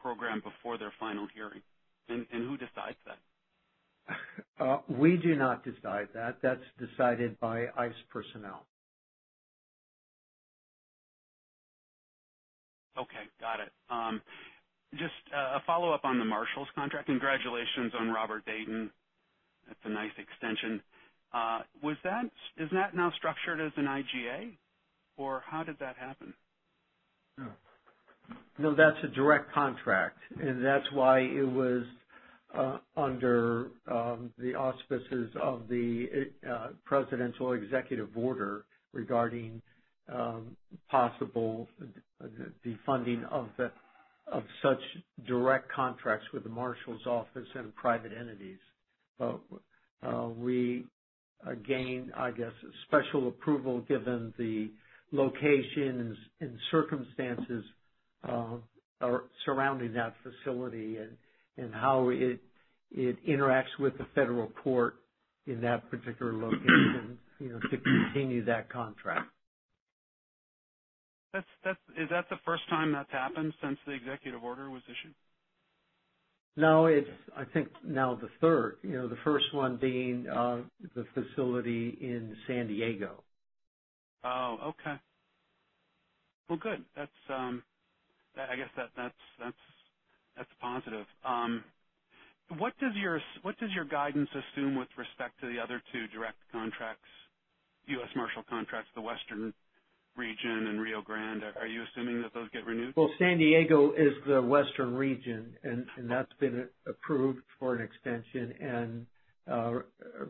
program before their final hearing? Who decides that? We do not decide that. That's decided by ICE personnel. Okay. Got it. Just a follow-up on the Marshals contract. Congratulations on Robert A. Deyton. That's a nice extension. Is that now structured as an IGA, or how did that happen? No, that's a direct contract. That's why it was under the auspices of the presidential executive order regarding possible defunding of such direct contracts with the Marshals Office and private entities. We gained, I guess, special approval, given the locations and circumstances, surrounding that facility and how it interacts with the federal court in that particular location, you know, to continue that contract. Is that the first time that's happened since the executive order was issued? No, it's, I think now the third. You know, the first one being the facility in San Diego. Okay. Well, good. That's, I guess that's a positive. What does your guidance assume with respect to the other two direct contracts, U.S. Marshals Service contracts, the Western region and Rio Grande? Are you assuming that those get renewed? Well, San Diego is the Western region, and that's been approved for an extension and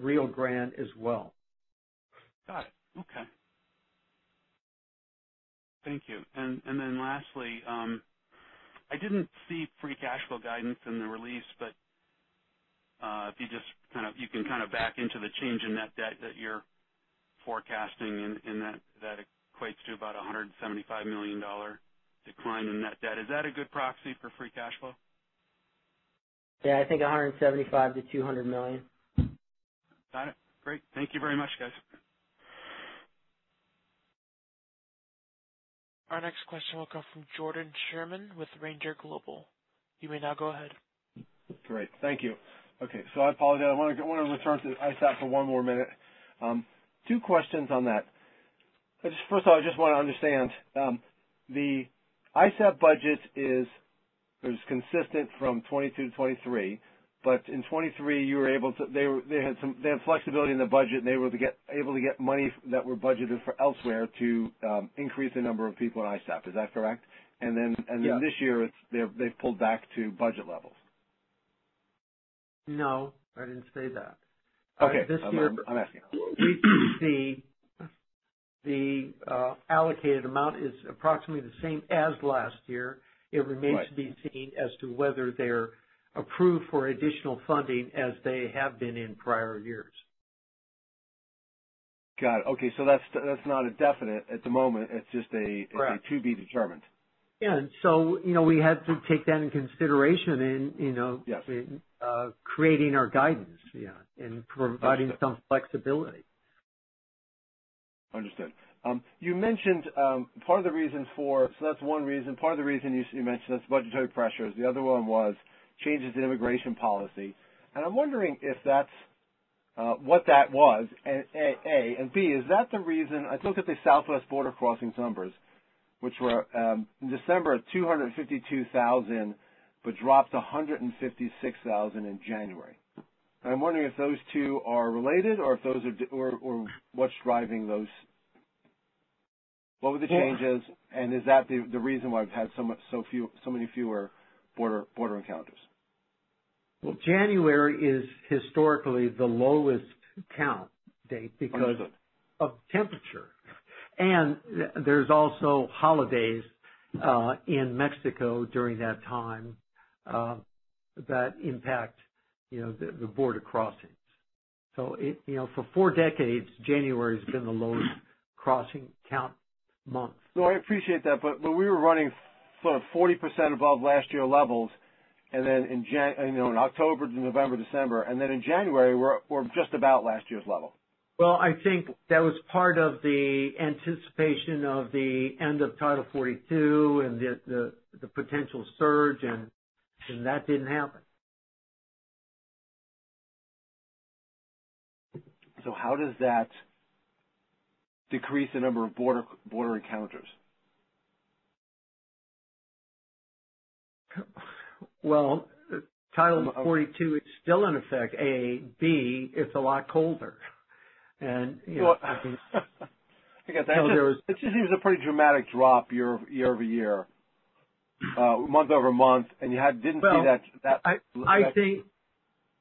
Rio Grande as well. Got it. Okay. Thank you. Then lastly, I didn't see free cash flow guidance in the release, but if you just kind of back into the change in net debt that you're forecasting and that equates to about a $175 million decline in net debt. Is that a good proxy for free cash flow? Yeah, I think $175 million-$200 million. Got it. Great. Thank you very much, guys. Our next question will come from Jordan Sherman with Ranger Global. You may now go ahead. Great. Thank you. Okay, I apologize. I wanna return to ISAP for one more minute. Two questions on that. Just first of all, I just wanna understand, the ISAP budget is consistent from 2022 to 2023, but in 2023 They had flexibility in the budget. They were able to get money that were budgeted for elsewhere to increase the number of people in ISAP. Is that correct? Yes. This year they've pulled back to budget levels. No, I didn't say that. Okay. This year. I'm asking. The allocated amount is approximately the same as last year. Right. It remains to be seen as to whether they're approved for additional funding as they have been in prior years. Got it. Okay. That's not a definite at the moment. It's just a- Correct. ...to be determined. Yeah. you know, we had to take that into consideration in, you know- Yes. ...creating our guidance. Yeah. Providing some flexibility. Understood. You mentioned. That's one reason. Part of the reason you mentioned is budgetary pressures. The other one was changes in immigration policy. I'm wondering if that's what that was, A. B, is that the reason... I looked at the southwest border crossings numbers, which were in December of 252,000, but dropped to 156,000 in January. I'm wondering if those two are related or if those are or what's driving those. What were the changes, is that the reason why we've had so many fewer border encounters? Well, January is historically the lowest count date- Understood. ...because of temperature. There's also holidays in Mexico during that time that impact, you know, the border crossings. It, you know, for four decades, January's been the lowest crossing count month. No, I appreciate that, but when we were running 40% above last year levels, and then in January, you know, in October to November, December, and then in January, we're just about last year's level. Well, I think that was part of the anticipation of the end of Title 42 and the potential surge and that didn't happen. How does that decrease the number of border encounters? Well, Title 42 is still in effect, A. B, it's a lot colder. you know, I mean- I guess- ...You know- It just seems a pretty dramatic drop year over, year over year, month over month, and you didn't see that. Well, I think.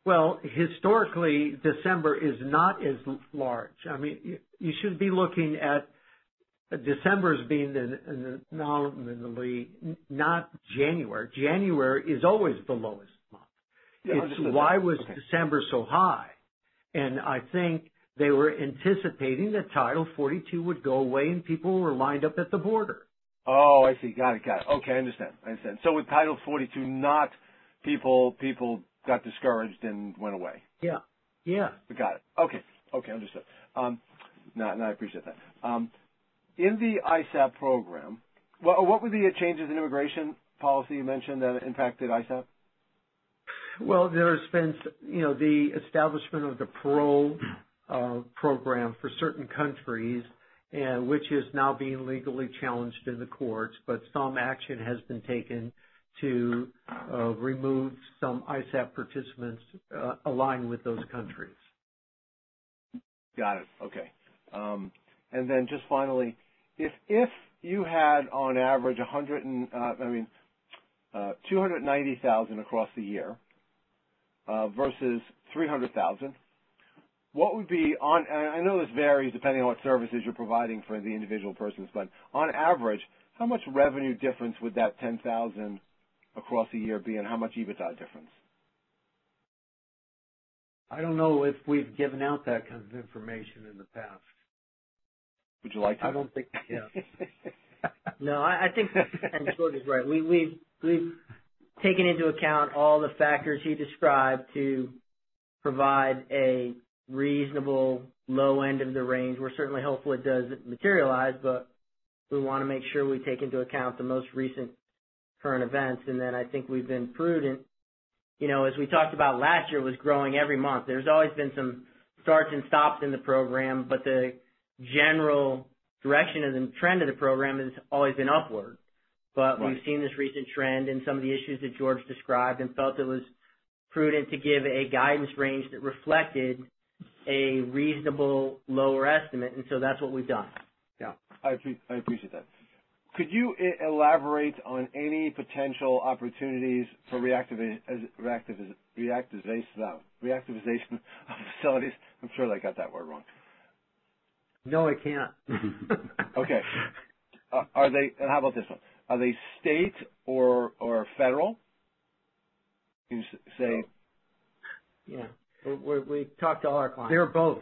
Well, historically, December is not as large. I mean, you should be looking at December as being the nominally, not January. January is always the lowest month. Yeah, understood. It's why was December so high? I think they were anticipating that Title 42 would go away, and people were lined up at the border. Oh, I see. Got it. Got it. Okay. I understand. I understand. With Title 42, not people got discouraged and went away. Yeah. Yeah. Got it. Okay. Okay. Understood. I appreciate that. In the ISAP program, what were the changes in immigration policy you mentioned that impacted ISAP? There's been you know, the establishment of the parole program for certain countries and which is now being legally challenged in the courts, but some action has been taken to remove some ISAP participants aligned with those countries. Got it. Okay. Just finally, if you had on average, I mean, 290,000 across the year versus 300,000, what would be? I know this varies depending on what services you're providing for the individual persons, but on average, how much revenue difference would that 10,000 across the year be, and how much EBITDA difference? I don't know if we've given out that kind of information in the past. Would you like to? I don't think... Yeah. No, I think George is right. We've taken into account all the factors you described to provide a reasonable low end of the range. We're certainly hopeful it does materialize, but we wanna make sure we take into account the most recent current events. I think we've been prudent. You know, as we talked about last year, was growing every month. There's always been some starts and stops in the program, but the general direction of the trend of the program has always been upward. Right. We've seen this recent trend and some of the issues that George described and felt it was prudent to give a guidance range that reflected a reasonable lower estimate. That's what we've done. Yeah. I appreciate that. Could you elaborate on any potential opportunities for reactivation of facilities? I'm sure I got that word wrong. No, I can't. Okay. Are they... How about this one? Are they state or federal? Can you say? Yeah. We talk to all our clients. They're both.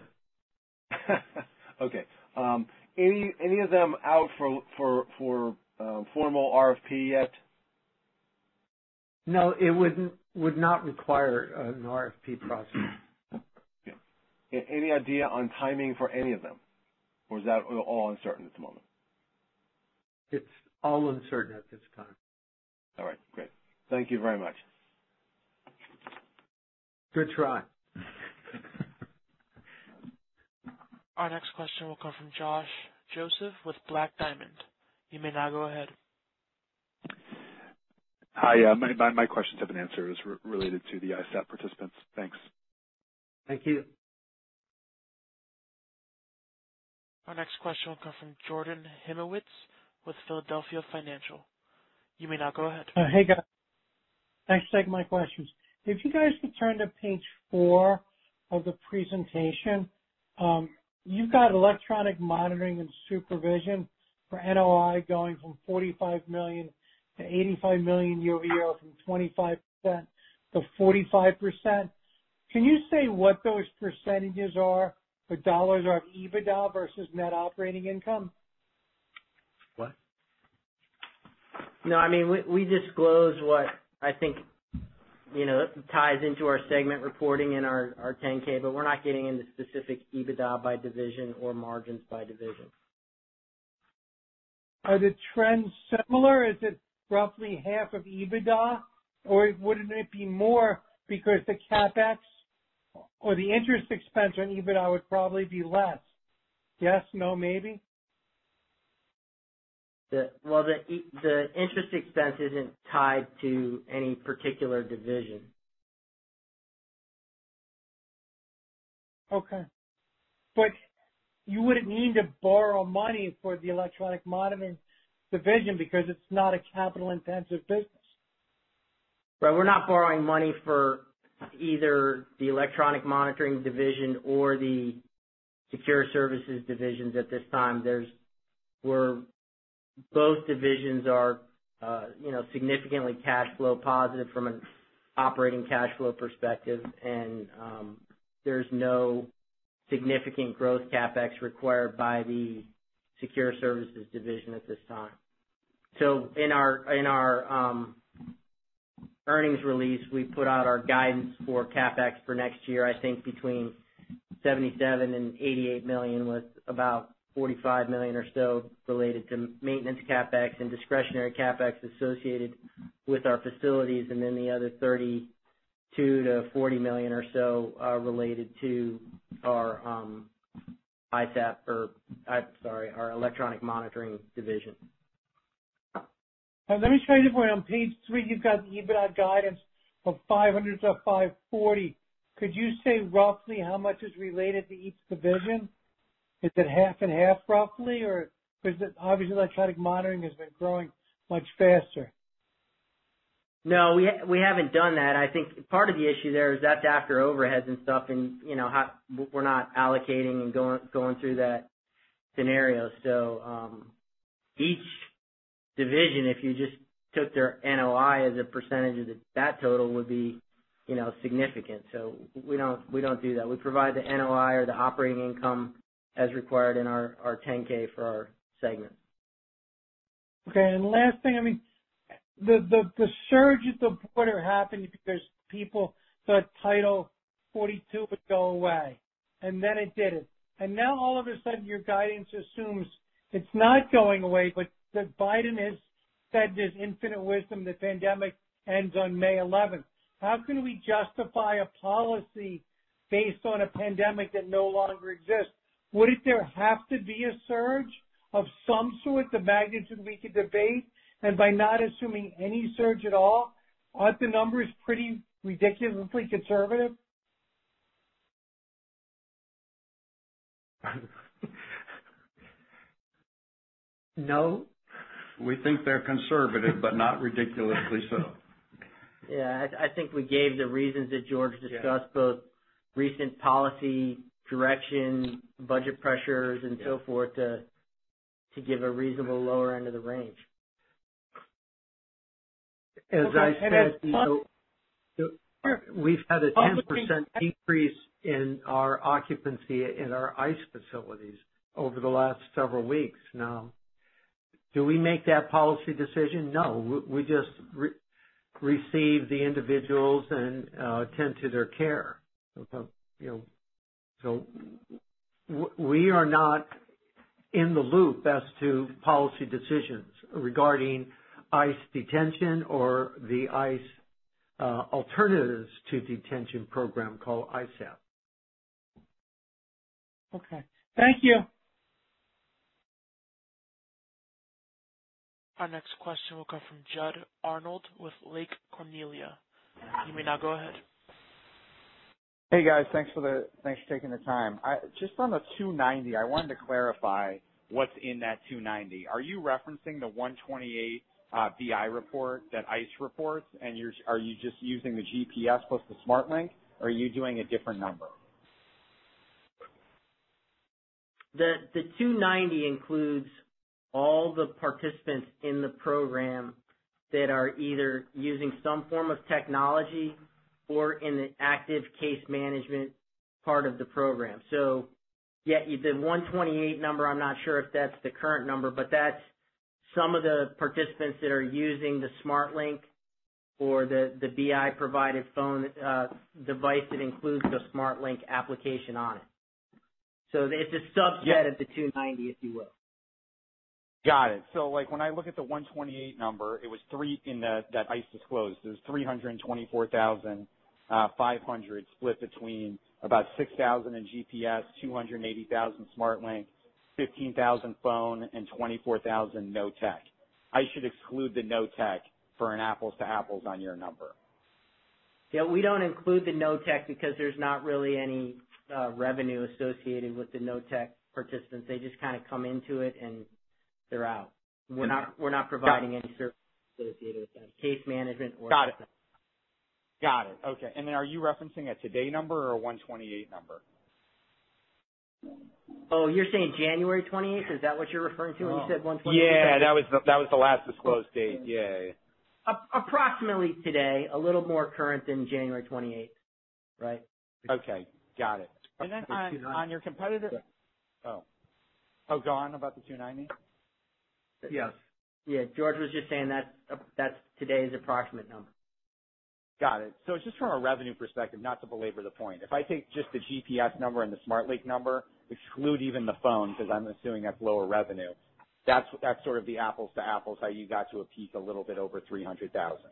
Okay. Any of them out for formal RFP yet? No, it wouldn't, would not require an RFP process. Yeah. Any idea on timing for any of them, or is that all uncertain at the moment? It's all uncertain at this time. All right, great. Thank you very much. Good try. Our next question will come from Josh Joseph with Black Diamond. You may now go ahead. Hi. Yeah, my questions have been answered. As related to the ISAP participants. Thanks. Thank you. Our next question will come from Jordan Hymowitz with Philadelphia Financial. You may now go ahead. Hey, guys. Thanks for taking my questions. If you guys could turn to page four of the presentation, you've got electronic monitoring and supervision for NOI going from $45 million-$85 million year-over-year from 25%-45%. Can you say what those percentages are for dollars of EBITDA versus net operating income? What? No, I mean, we disclose what I think, you know, ties into our segment reporting in our 10-K, but we're not getting into specific EBITDA by division or margins by division. Are the trends similar? Is it roughly half of EBITDA, or wouldn't it be more because the CapEx or the interest expense on EBITDA would probably be less? Yes, no, maybe? Well, the interest expense isn't tied to any particular division. You wouldn't need to borrow money for the electronic monitoring division because it's not a capital-intensive business. Right. We're not borrowing money for either the electronic monitoring division or the Secure Services divisions at this time. There's Both divisions are, you know, significantly cash flow positive from an operating cash flow perspective, and there's no significant growth CapEx required by the Secure Services division at this time. In our, in our earnings release, we put out our guidance for CapEx for next year, I think between $77 million and $88 million, with about $45 million or so related to maintenance CapEx and discretionary CapEx associated with our facilities, and then the other $32 million-$40 million or so, related to our ISAP or sorry, our electronic monitoring division. Let me try this way. On page three, you've got the EBITDA guidance of $500-$540. Could you say roughly how much is related to each division? Is it half and half roughly, or is it... Obviously, electronic monitoring has been growing much faster. No, we haven't done that. I think part of the issue there is that's after overheads and stuff and, you know, how... We're not allocating and going through that scenario. Each division, if you just took their NOI as a percentage of that total would be, you know, significant. We don't do that. We provide the NOI or the operating income as required in our 10-K for our segments. Okay. Last thing, I mean, the surge at the border happened because people thought Title 42 would go away, and then it didn't. Now all of a sudden, your guidance assumes it's not going away, but that Biden has said this infinite wisdom, the pandemic ends on May eleventh. How can we justify a policy based on a pandemic that no longer exists? Wouldn't there have to be a surge of some sort, the magnitude we could debate, and by not assuming any surge at all, aren't the numbers pretty ridiculously conservative? No. We think they're conservative, but not ridiculously so. Yeah. I think we gave the reasons that George discussed- Yeah. ...both recent policy direction, budget pressures- Yeah. ...so forth to give a reasonable lower end of the range. As I said, you know- Okay. We've had a 10% decrease in our occupancy in our ICE facilities over the last several weeks now. Do we make that policy decision? No. We just re-receive the individuals and tend to their care. you know we are not in the loop as to policy decisions regarding ICE detention or the ICE Alternatives to Detention program, called ISAP. Okay. Thank you. Our next question will come from Judd Arnold with Lake Cornelia. You may now go ahead. Hey, guys. Thanks for taking the time. Just on the 290,000 I wanted to clarify what's in that 290,000. Are you referencing the 128 BI report that ICE reports and are you just using the GPS plus the SmartLINK or are you doing a different number? The 290,000 includes all the participants in the program that are either using some form of technology or in the active case management part of the program. Yeah, the 128 number, I'm not sure if that's the current number, but that's some of the participants that are using the SmartLINK or the BI-provided phone device that includes the SmartLINK application on it. It's a subset of the 290,000, if you will. Got it. When I look at the 128,000 number, it was three that ICE disclosed. It was 324,500 split between about 6,000 in GPS, 280,000 SmartLINK, 15,000 phone, and 24,000 no tech. I should exclude the no tech for an apples to apples on your number. We don't include the no tech because there's not really any revenue associated with the no tech participants. They just kinda come into it and they're out. We're not providing any services associated with them, case management. Got it. Got it. Okay. Then are you referencing a today number or a 128 number? Oh, you're saying January 28? Is that what you're referring to when you said 128? Yeah, that was the last disclosed date. Yeah, yeah. Approximately today. A little more current than January 28. Right? Okay. Got it. On your competitive... Oh. Oh, go on about the $290. Yes. Yeah, George was just saying that's today's approximate number. Got it. Just from a revenue perspective, not to belabor the point, if I take just the GPS number and the SmartLINK number, exclude even the phone, 'cause I'm assuming that's lower revenue, that's sort of the apples to apples, how you got to a peak a little bit over $300,000.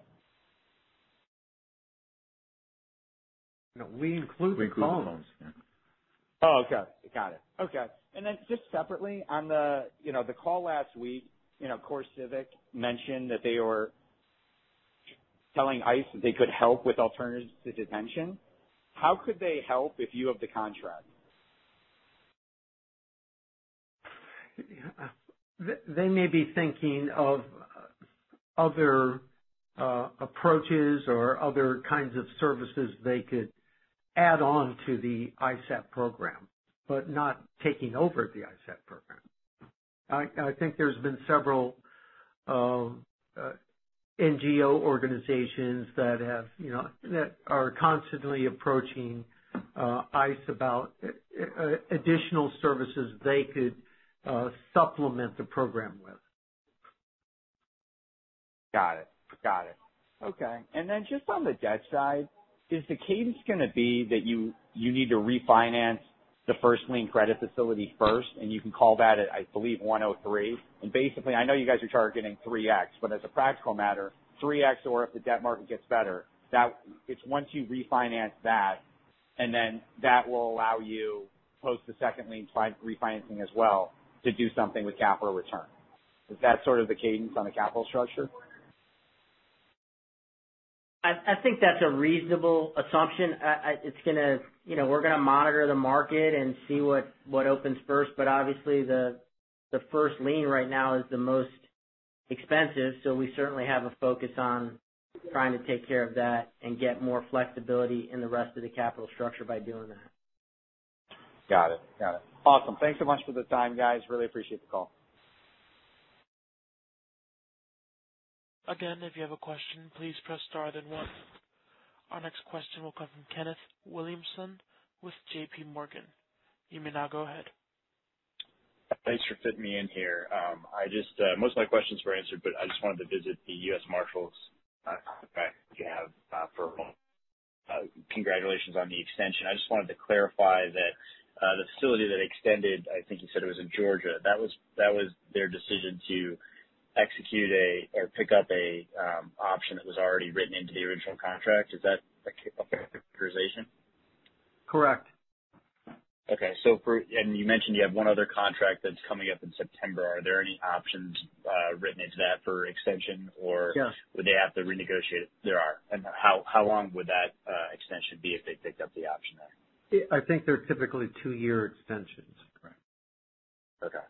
No, we include the phones. We include the phones. Yeah. Oh, okay. Got it. Okay. Just separately on the, you know, the call last week, you know, CoreCivic mentioned that they were telling ICE that they could help with Alternatives to Detention. How could they help if you have the contract? They may be thinking of other approaches or other kinds of services they could add on to the ISAP program, but not taking over the ISAP program. I think there's been several NGO organizations that have, you know, that are constantly approaching ICE about additional services they could supplement the program with. Got it. Got it. Okay. Then just on the debt side, is the cadence gonna be that you need to refinance the first lien credit facility first, you can call that at, I believe, 103. Basically, I know you guys are targeting 3x, but as a practical matter, 3x or if the debt market gets better, it's once you refinance that, then that will allow you post the second lien refinancing as well to do something with capital return. Is that sort of the cadence on the capital structure? I think that's a reasonable assumption. You know, we're gonna monitor the market and see what opens first. Obviously the first lien right now is the most expensive, we certainly have a focus on trying to take care of that and get more flexibility in the rest of the capital structure by doing that. Got it. Got it. Awesome. Thanks so much for the time, guys. Really appreciate the call. If you have a question, please press star then one. Our next question will come from Kenneth Williamson with J.P. Morgan. You may now go ahead. Thanks for fitting me in here. I just Most of my questions were answered, but I just wanted to visit the U.S. Marshals contract you have for a moment. Congratulations on the extension. I just wanted to clarify that the facility that extended, I think you said it was in Georgia, that was their decision to execute or pick up a option that was already written into the original contract. Is that a authorization? Correct. Okay. You mentioned you have one other contract that's coming up in September. Are there any options written into that for extension? Yes. Would they have to renegotiate? There are. How long would that extension be if they picked up the option then? I think they're typically two-year extensions. Okay.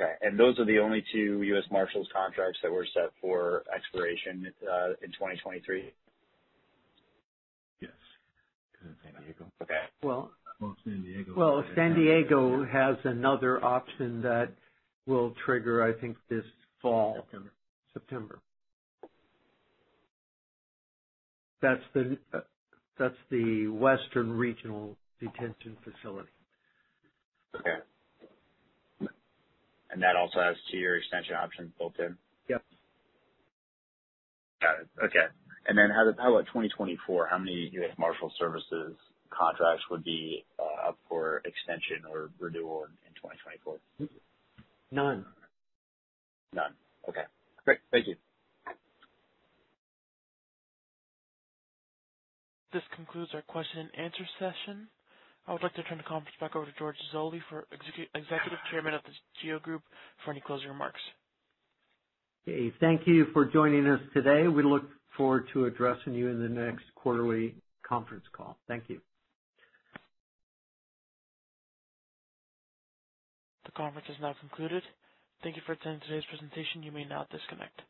Okay. Those are the only two U.S. Marshals contracts that were set for expiration in 2023? Yes. It's in San Diego. Okay. Well- San Diego. Well, San Diego has another option that will trigger, I think, this fall. September. September. That's the Western Regional Detention Facility. Okay. That also has two-year extension options built in? Yep. Got it. Okay. How about 2024? How many U.S. Marshals Service contracts would be up for extension or renewal in 2024? None. None. Okay. Great. Thank you. This concludes our question and answer session. I would like to turn the conference back over to George Zoley, Executive Chairman of The GEO Group for any closing remarks. Okay. Thank you for joining us today. We look forward to addressing you in the next quarterly conference call. Thank you. The conference is now concluded. Thank you for attending today's presentation. You may now disconnect.